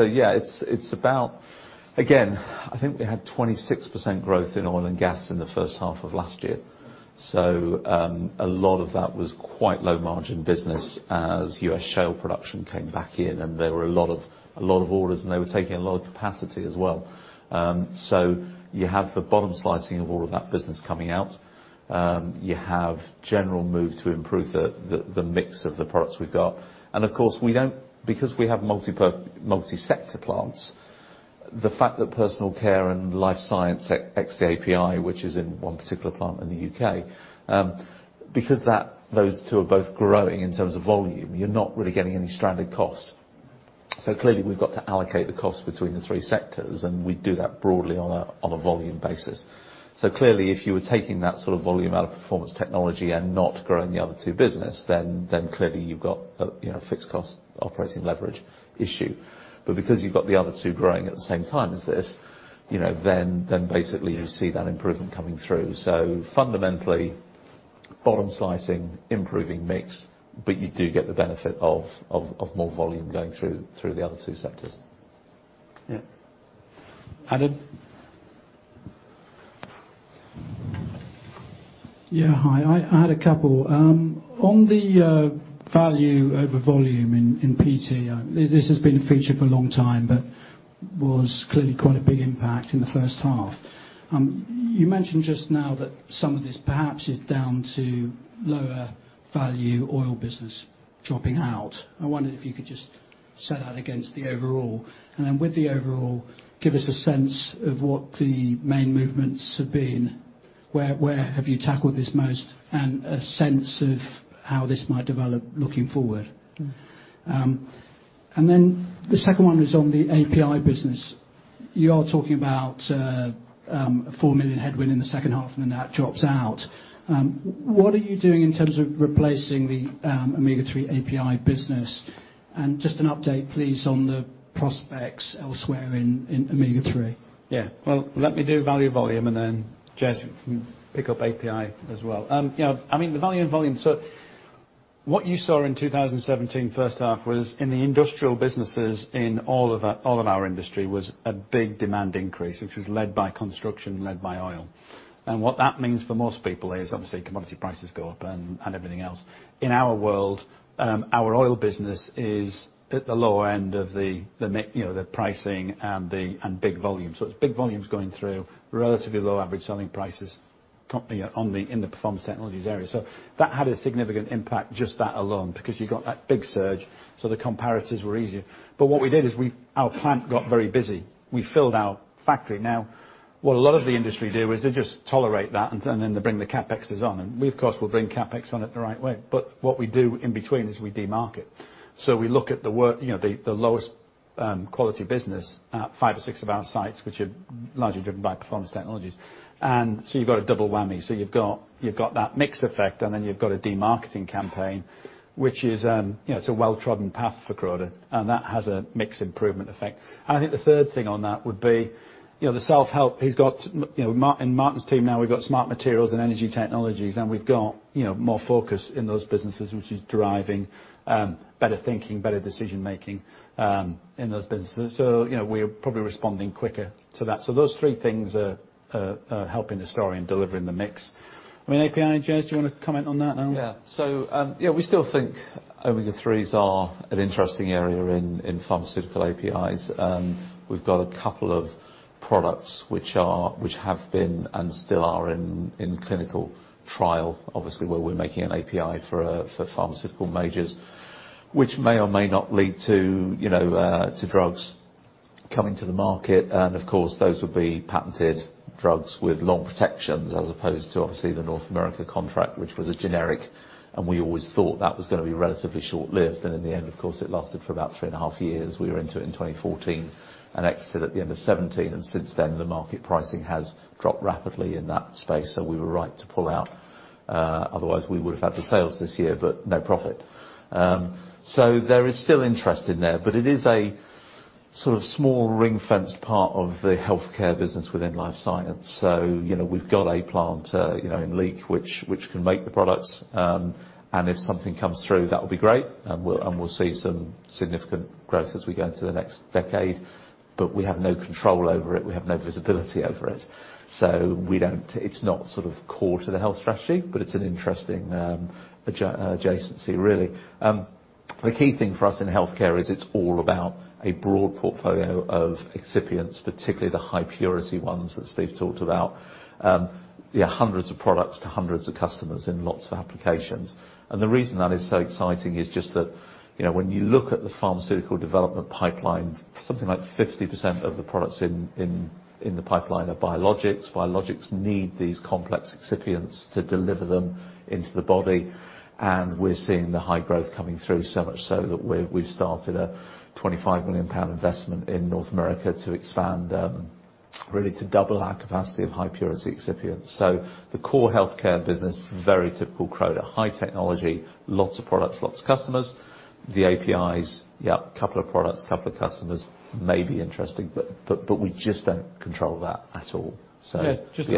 S2: yeah, it's about, again, I think we had 26% growth in oil and gas in the first half of last year. A lot of that was quite low margin business as US shale production came back in, and there were a lot of orders, and they were taking a lot of capacity as well. You have the bottom slicing of all of that business coming out. You have general move to improve the mix of the products we've got. Of course, because we have multi-sector plants, the fact that Personal Care and Life Sciences ex the API, which is in one particular plant in the U.K.. Because those two are both growing in terms of volume, you're not really getting any stranded cost. Clearly, we've got to allocate the cost between the three sectors, and we do that broadly on a volume basis. Clearly, if you were taking that sort of volume out of Performance Technologies and not growing the other two businesses, then clearly you've got a fixed cost operating leverage issue. Because you've got the other two growing at the same time as this, then basically you see that improvement coming through. Fundamentally, bottom slicing, improving mix, but you do get the benefit of more volume going through the other two sectors.
S1: Yeah. Adam?
S5: Yeah. Hi, I had a couple. On the value over volume in PT, this has been a feature for a long time, but was clearly quite a big impact in the first half. You mentioned just now that some of this perhaps is down to lower value oil business dropping out. I wondered if you could just set that against the overall. Then with the overall, give us a sense of what the main movements have been, where have you tackled this most, and a sense of how this might develop looking forward. The second one is on the API business. You are talking about 4 million headwind in the second half, and then that drops out. What are you doing in terms of replacing the Omega-3 API business? Just an update, please, on the prospects elsewhere in Omega-3.
S1: Let me do value volume, and then Jez, you can pick up API as well. The value and volume, what you saw in 2017 first half was in the industrial businesses in all of our industry was a big demand increase, which was led by construction, led by oil. What that means for most people is, obviously, commodity prices go up and everything else. In our world, our oil business is at the lower end of the pricing and big volume. It is big volumes going through, relatively low average selling prices in the Performance Technologies area. That had a significant impact, just that alone, because you got that big surge, so the comparatives were easier. What we did is our plant got very busy. We filled our factory. What a lot of the industry do is they just tolerate that, and then they bring the CapEx on. We, of course, will bring CapEx on it the right way. What we do in between is we demarket. We look at the lowest quality business at 5 or 6 of our sites, which are largely driven by Performance Technologies. You've got a double whammy. You've got that mix effect, and then you've got a demarketing campaign, which is a well-trodden path for Croda, and that has a mix improvement effect. I think the third thing on that would be the self-help. In Martin's team now, we've got Smart Materials and Energy Technologies, and we've got more focus in those businesses, which is driving better thinking, better decision making in those businesses. We're probably responding quicker to that. Those three things are helping the story and delivering the mix. API, Jez, do you want to comment on that at all?
S2: We still think Omega-3s are an interesting area in pharmaceutical APIs. We have got a couple of products which have been and still are in clinical trial, obviously, where we are making an API for pharmaceutical majors, which may or may not lead to drugs coming to the market. Of course, those would be patented drugs with long protections, as opposed to, obviously, the North America contract, which was a generic, and we always thought that was going to be relatively short-lived. In the end, of course, it lasted for about three and a half years. We were into it in 2014 and exited at the end of 2017. Since then, the market pricing has dropped rapidly in that space. We were right to pull out, otherwise we would have had the sales this year, but no profit. There is still interest in there, but it is a sort of small ring-fenced part of the Healthcare business within Life Sciences. We have got a plant in Leek, which can make the products. If something comes through, that would be great, and we will see some significant growth as we go into the next decade. But we have no control over it. We have no visibility over it. It is not sort of core to the Healthcare strategy, but it is an interesting adjacency, really. The key thing for us in Healthcare is it is all about a broad portfolio of excipients, particularly the high-purity ones that Steve talked about. Hundreds of products to hundreds of customers in lots of applications. The reason that is so exciting is just that when you look at the pharmaceutical development pipeline, something like 50% of the products in the pipeline are biologics. Biologics need these complex excipients to deliver them into the body, and we are seeing the high growth coming through, so much so that we have started a 25 million pound investment in North America to expand, really to double our capacity of high-purity excipient. The core Healthcare business, very typical Croda, high technology, lots of products, lots of customers. The APIs, couple of products, couple of customers, may be interesting, but we just do not control that at all.
S1: Just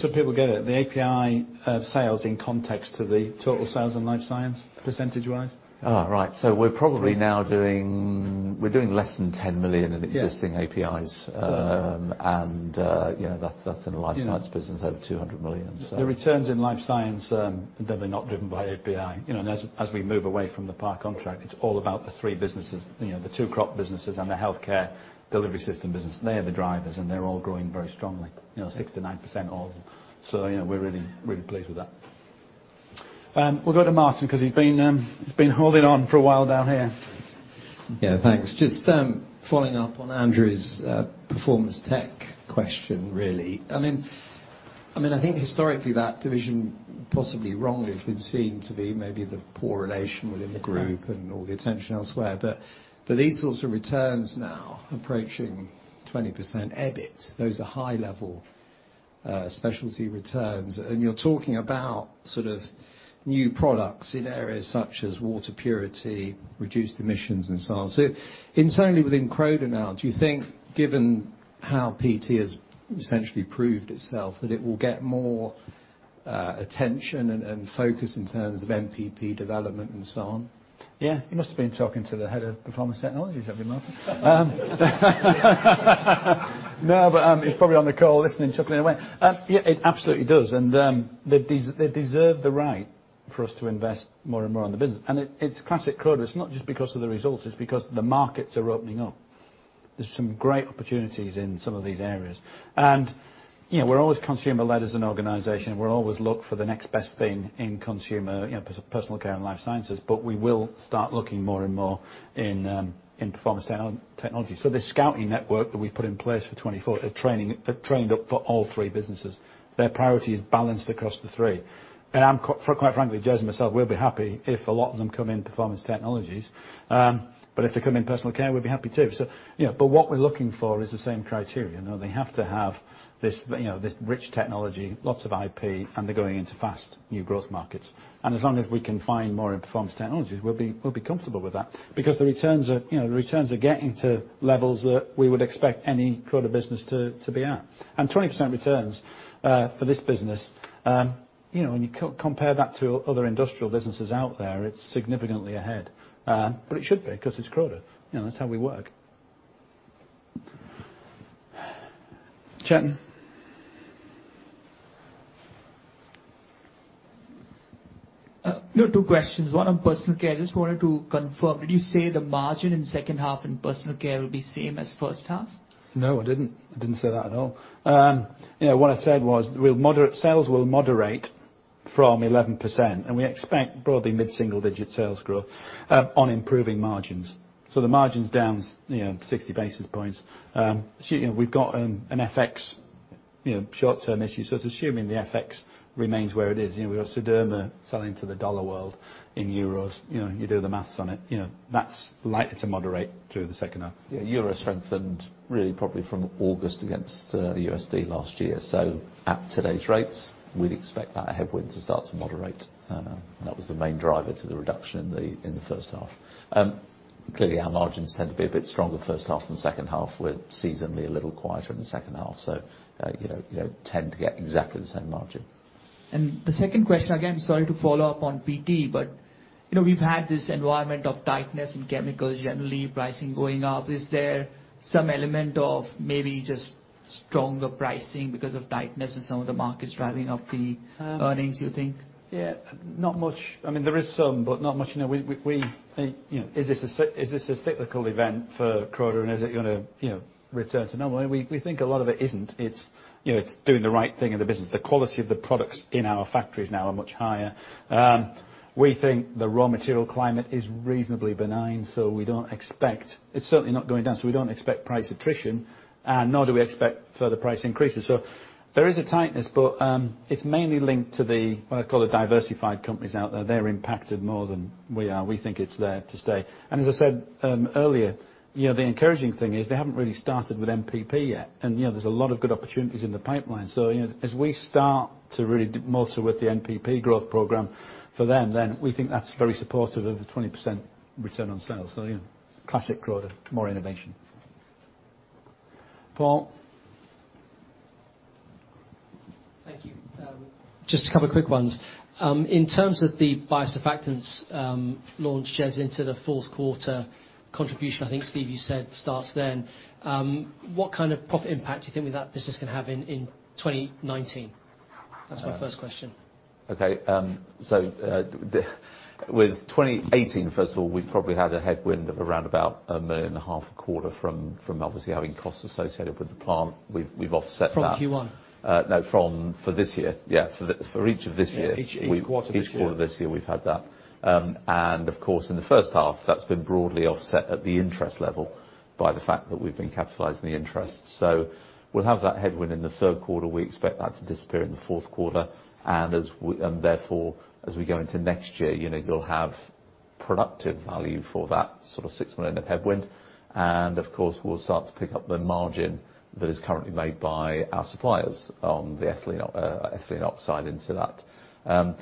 S1: so people get it, the API sales in context to the total sales and Life Sciences percentage-wise?
S2: We're probably now doing less than 10 million in existing APIs.
S1: Yeah.
S2: That's in the Life Sciences business, over 200 million.
S1: The returns in Life Sciences, they're not driven by API. As we move away from the par contract, it's all about the three businesses, the two Crop Protection businesses and the Healthcare delivery system business. They are the drivers, and they're all growing very strongly, 69% all. We're really pleased with that. We'll go to Martin because he's been holding on for a while down here.
S6: Yeah, thanks. Just following up on Andrew's Performance Technologies question, really. I mean I think historically, that division, possibly wrongly, has been seen to be maybe the poor relation within the group and all the attention elsewhere. These sorts of returns now, approaching 20% EBIT, those are high-level specialty returns. You're talking about new products in areas such as water purity, reduced emissions, and so on. Internally within Croda now, do you think given how PT has essentially proved itself, that it will get more attention and focus in terms of NPP development and so on?
S1: Yeah. You must have been talking to the head of Performance Technologies, have we, Martin? No, he's probably on the call listening, chuckling away. Yeah, it absolutely does. They deserve the right for us to invest more and more on the business. It's classic Croda. It's not just because of the results, it's because the markets are opening up. There's some great opportunities in some of these areas. We're always consumer-led as an organization. We'll always look for the next best thing in consumer Personal Care and Life Sciences. We will start looking more and more in Performance Technologies. This scouting network that we put in place for 2024 are trained up for all three businesses. Their priority is balanced across the three. Quite frankly, Jez and myself, we'll be happy if a lot of them come in Performance Technologies. If they come in Personal Care, we'll be happy too. What we're looking for is the same criteria. They have to have this rich technology, lots of IP, and they're going into fast new growth markets. As long as we can find more in Performance Technologies, we'll be comfortable with that. The returns are getting to levels that we would expect any Croda business to be at. 20% returns for this business, when you compare that to other industrial businesses out there, it's significantly ahead. It should be, because it's Croda. That's how we work. Chetan.
S7: Two questions. One on Personal Care, I just wanted to confirm, did you say the margin in second half in Personal Care will be same as first half?
S1: No, I didn't. I didn't say that at all. What I said was sales will moderate from 11%. We expect broadly mid-single digit sales growth on improving margins. The margin's down 60 basis points. We've got an FX short-term issue. It's assuming the FX remains where it is. We've got Sederma selling to the dollar world in EUR. You do the maths on it. That's likely to moderate through the second half.
S2: Euro strengthened really probably from August against the USD last year. At today's rates, we'd expect that headwind to start to moderate. That was the main driver to the reduction in the first half. Clearly, our margins tend to be a bit stronger first half than second half. We're seasonally a little quieter in the second half, so tend to get exactly the same margin.
S7: The second question, again, sorry to follow up on PT, but we've had this environment of tightness in chemicals, generally pricing going up. Is there some element of maybe just stronger pricing because of tightness in some of the markets driving up the earnings, you think?
S1: Not much. There is some, but not much. Is this a cyclical event for Croda, and is it going to return to normal? We think a lot of it isn't. It's doing the right thing in the business. The quality of the products in our factories now are much higher. We think the raw material climate is reasonably benign. It's certainly not going down, so we don't expect price attrition, nor do we expect further price increases. There is a tightness, but it's mainly linked to the, what I call the diversified companies out there. They're impacted more than we are. We think it's there to stay. As I said earlier, the encouraging thing is they haven't really started with NPP yet. There's a lot of good opportunities in the pipeline. As we start to really motor with the NPP growth program for them, then we think that's very supportive of a 20% return on sales. Yeah, classic Croda, more innovation. Paul.
S8: Thank you. Just a couple of quick ones. In terms of the biosurfactants launch, Jez, into the fourth quarter contribution, I think, Steve, you said starts then. What kind of profit impact do you think that business can have in 2019? That's my first question.
S2: Okay. With 2018, first of all, we've probably had a headwind of around about 1.5 million a quarter from obviously having costs associated with the plant. We've offset that.
S8: From Q1?
S2: No, for this year. Yeah. For each of this year.
S8: Yeah, each quarter of this year.
S2: Each quarter of this year, we've had that. Of course, in the first half, that's been broadly offset at the interest level by the fact that we've been capitalizing the interest. We'll have that headwind in the third quarter. We expect that to disappear in the fourth quarter. Therefore, as we go into next year, you'll have productive value for that sort of 6 million of headwind. Of course, we'll start to pick up the margin that is currently made by our suppliers on the ethylene oxide into that.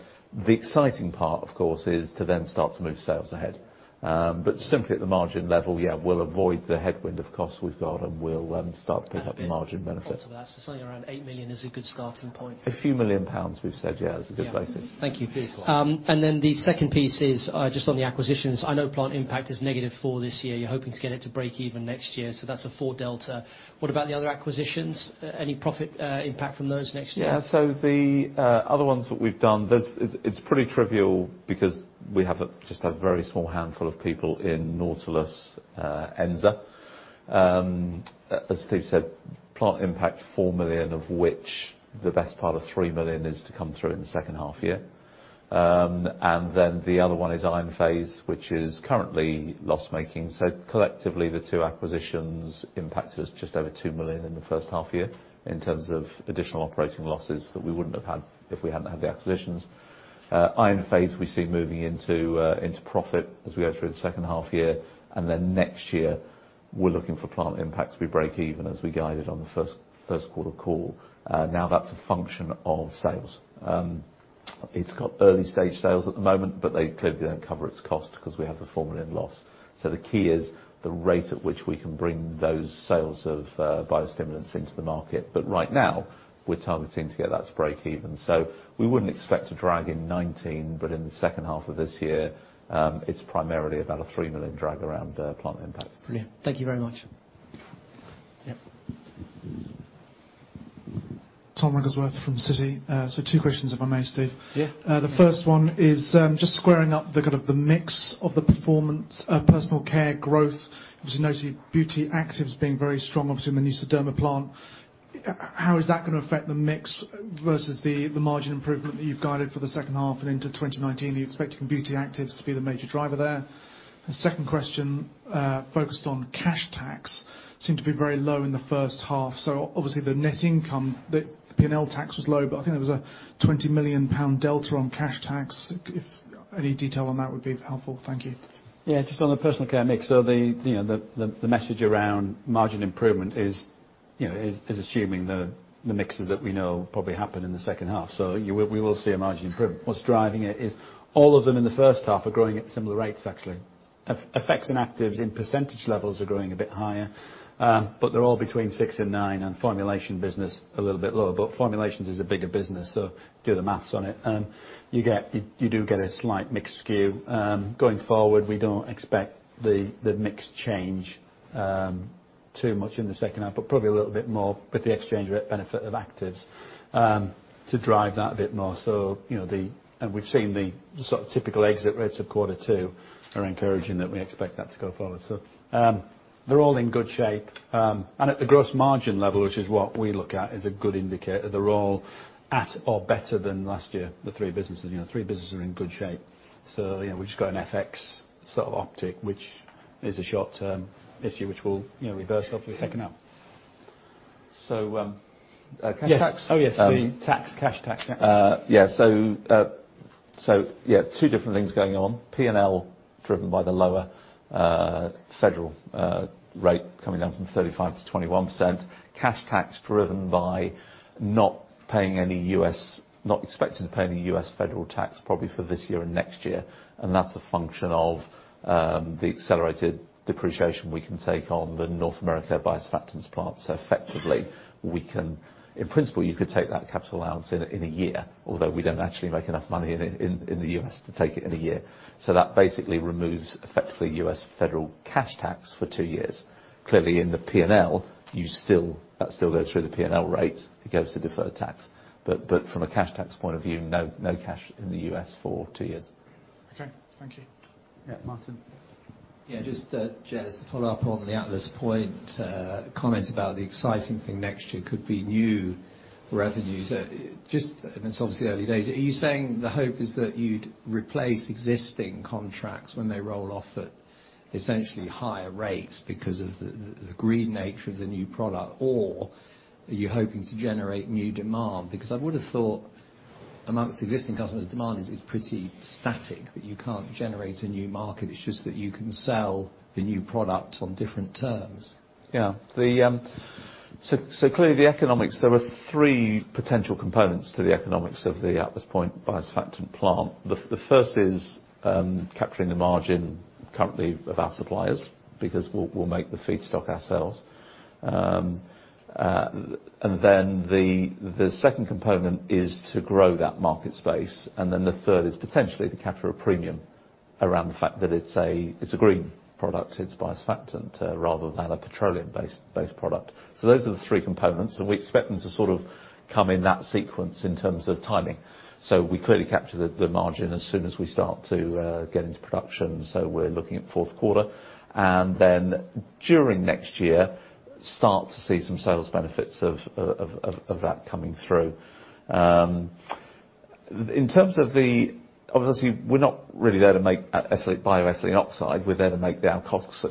S2: The exciting part, of course, is to then start to move sales ahead. Simply at the margin level, yeah, we'll avoid the headwind of costs we've got, and we'll then start to pick up the margin benefit.
S8: Something around 8 million is a good starting point.
S2: A few million GBP we've said, yeah, is a good basis.
S8: Yeah. Thank you.
S2: You're welcome.
S8: The second piece is just on the acquisitions. I know Plant Impact is negative for this year. You're hoping to get it to break even next year, so that's a GBP four delta. What about the other acquisitions? Any profit impact from those next year?
S2: Yeah. The other ones that we've done, it's pretty trivial because we have just a very small handful of people in Nautilus, ENZA. As Steve said Plant Impact, 4 million, of which the best part of 3 million is to come through in the second half year. The other one is IonPhasE, which is currently loss-making. So collectively, the two acquisitions impact us just over 2 million in the first half year in terms of additional operating losses that we wouldn't have had if we hadn't had the acquisitions. IonPhasE we see moving into profit as we go through the second half year, and next year, we're looking for Plant Impact to be break even, as we guided on the first quarter call. Now, that's a function of sales. It's got early-stage sales at the moment. They clearly don't cover its cost because we have the GBP 4 million loss. The key is the rate at which we can bring those sales of biostimulants into the market. Right now, we're targeting to get that to break even. We wouldn't expect to drag in 2019, but in the second half of this year, it's primarily about a 3 million drag around Plant Impact.
S1: Brilliant. Thank you very much.
S2: Yeah.
S9: Tom Wrigglesworth from Citi. Two questions, if I may, Steve.
S2: Yeah.
S9: The first one is just squaring up the kind of the mix of the performance of Personal Care growth. Obviously, you noted Beauty Actives being very strong, obviously in the new Sederma plant. How is that going to affect the mix versus the margin improvement that you've guided for the second half and into 2019? Are you expecting Beauty Actives to be the major driver there? The second question focused on cash tax seemed to be very low in the first half. Obviously, the net income, the P&L tax was low, but I think there was a 20 million pound delta on cash tax. If any detail on that would be helpful. Thank you.
S2: Just on the Personal Care mix, the message around margin improvement is assuming the mixes that we know will probably happen in the second half. We will see a margin improvement. What's driving it is all of them in the first half are growing at similar rates, actually. Effects and Actives in percentage levels are growing a bit higher, but they're all between six and nine, and Formulations business a little bit lower, but Formulations is a bigger business, do the math on it. You do get a slight mix skew. Going forward, we don't expect the mix change too much in the second half, but probably a little bit more with the exchange rate benefit of Actives to drive that a bit more. We've seen the sort of typical exit rates of quarter two are encouraging that we expect that to go forward. They're all in good shape. At the gross margin level, which is what we look at, is a good indicator. They're all at or better than last year, the three businesses. Three businesses are in good shape. We've just got an FX sort of optic, which is a short-term issue, which will reverse obviously second half.
S1: Yes.
S2: Cash tax?
S1: Yes, the tax, cash tax.
S2: Yeah. Two different things going on. P&L driven by the lower federal rate coming down from 35% to 21%. Cash tax driven by not expecting to pay any U.S. federal tax, probably for this year and next year. That's a function of the accelerated depreciation we can take on the North America biosurfactants plant. Effectively, in principle, you could take that capital allowance in a year, although we don't actually make enough money in the U.S. to take it in a year. That basically removes, effectively, U.S. federal cash tax for two years. Clearly, in the P&L, that still goes through the P&L rate. It goes to deferred tax. From a cash tax point of view, no cash in the U.S. for two years.
S9: Okay. Thank you.
S1: Yeah. Martin?
S6: Just, Jez, to follow up on the Atlas Point comment about the exciting thing next year could be new revenues. It's obviously early days. Are you saying the hope is that you'd replace existing contracts when they roll off at essentially higher rates because of the green nature of the new product? Are you hoping to generate new demand? I would have thought amongst existing customers, demand is pretty static, that you can't generate a new market. It's just that you can sell the new product on different terms.
S2: Clearly, the economics, there are three potential components to the economics of the Atlas Point biosurfactant plant. The first is capturing the margin currently of our suppliers, because we'll make the feedstock ourselves. The second component is to grow that market space. The third is potentially to capture a premium around the fact that it's a green product. It's biosurfactant rather than a petroleum-based product. Those are the three components, we expect them to sort of come in that sequence in terms of timing. We clearly capture the margin as soon as we start to get into production, so we're looking at fourth quarter. During next year, start to see some sales benefits of that coming through. Obviously, we're not really there to make bio-ethylene oxide. We're there to make the alcohols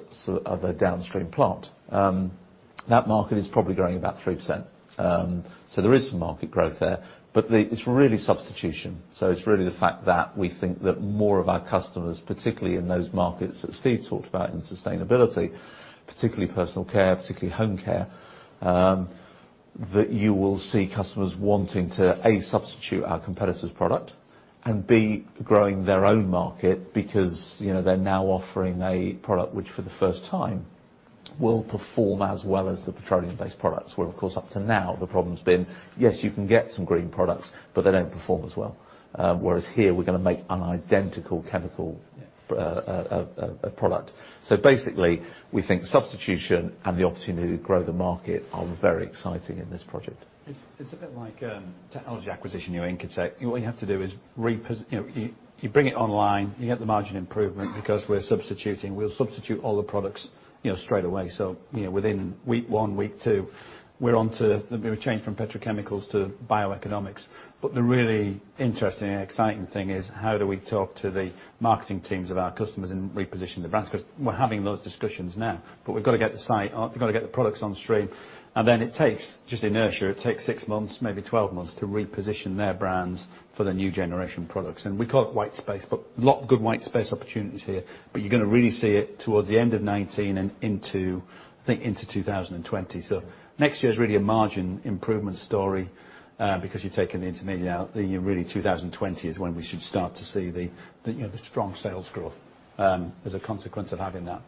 S2: of a downstream plant. That market is probably growing about 3%. There is some market growth there, but it's really substitution. It's really the fact that we think that more of our customers, particularly in those markets that Steve talked about in sustainability, particularly Personal Care, particularly home care, that you will see customers wanting to, A, substitute our competitor's product, and B, growing their own market because they're now offering a product which, for the first time, will perform as well as the petroleum-based products. Of course, up to now, the problem's been, yes, you can get some green products, but they don't perform as well. Whereas here, we're going to make an identical chemical product. Basically, we think substitution and the opportunity to grow the market are very exciting in this project.
S1: It's a bit like technology acquisition, Incotec. What you have to do is you bring it online, you get the margin improvement because we're substituting. We'll substitute all the products straight away. Within week one, week two, we're on to the change from petrochemicals to bioeconomics. The really interesting and exciting thing is how do we talk to the marketing teams of our customers and reposition the brands? Because we're having those discussions now. We've got to get the site up, we've got to get the products on stream, and then it takes just inertia. It takes six months, maybe 12 months to reposition their brands for the new generation products. We call it white space, but a lot of good white space opportunities here. You're going to really see it towards the end of 2019 and into, I think, 2020. Next year is really a margin improvement story because you're taking the intermediary out. Really, 2020 is when we should start to see the strong sales growth as a consequence of having that.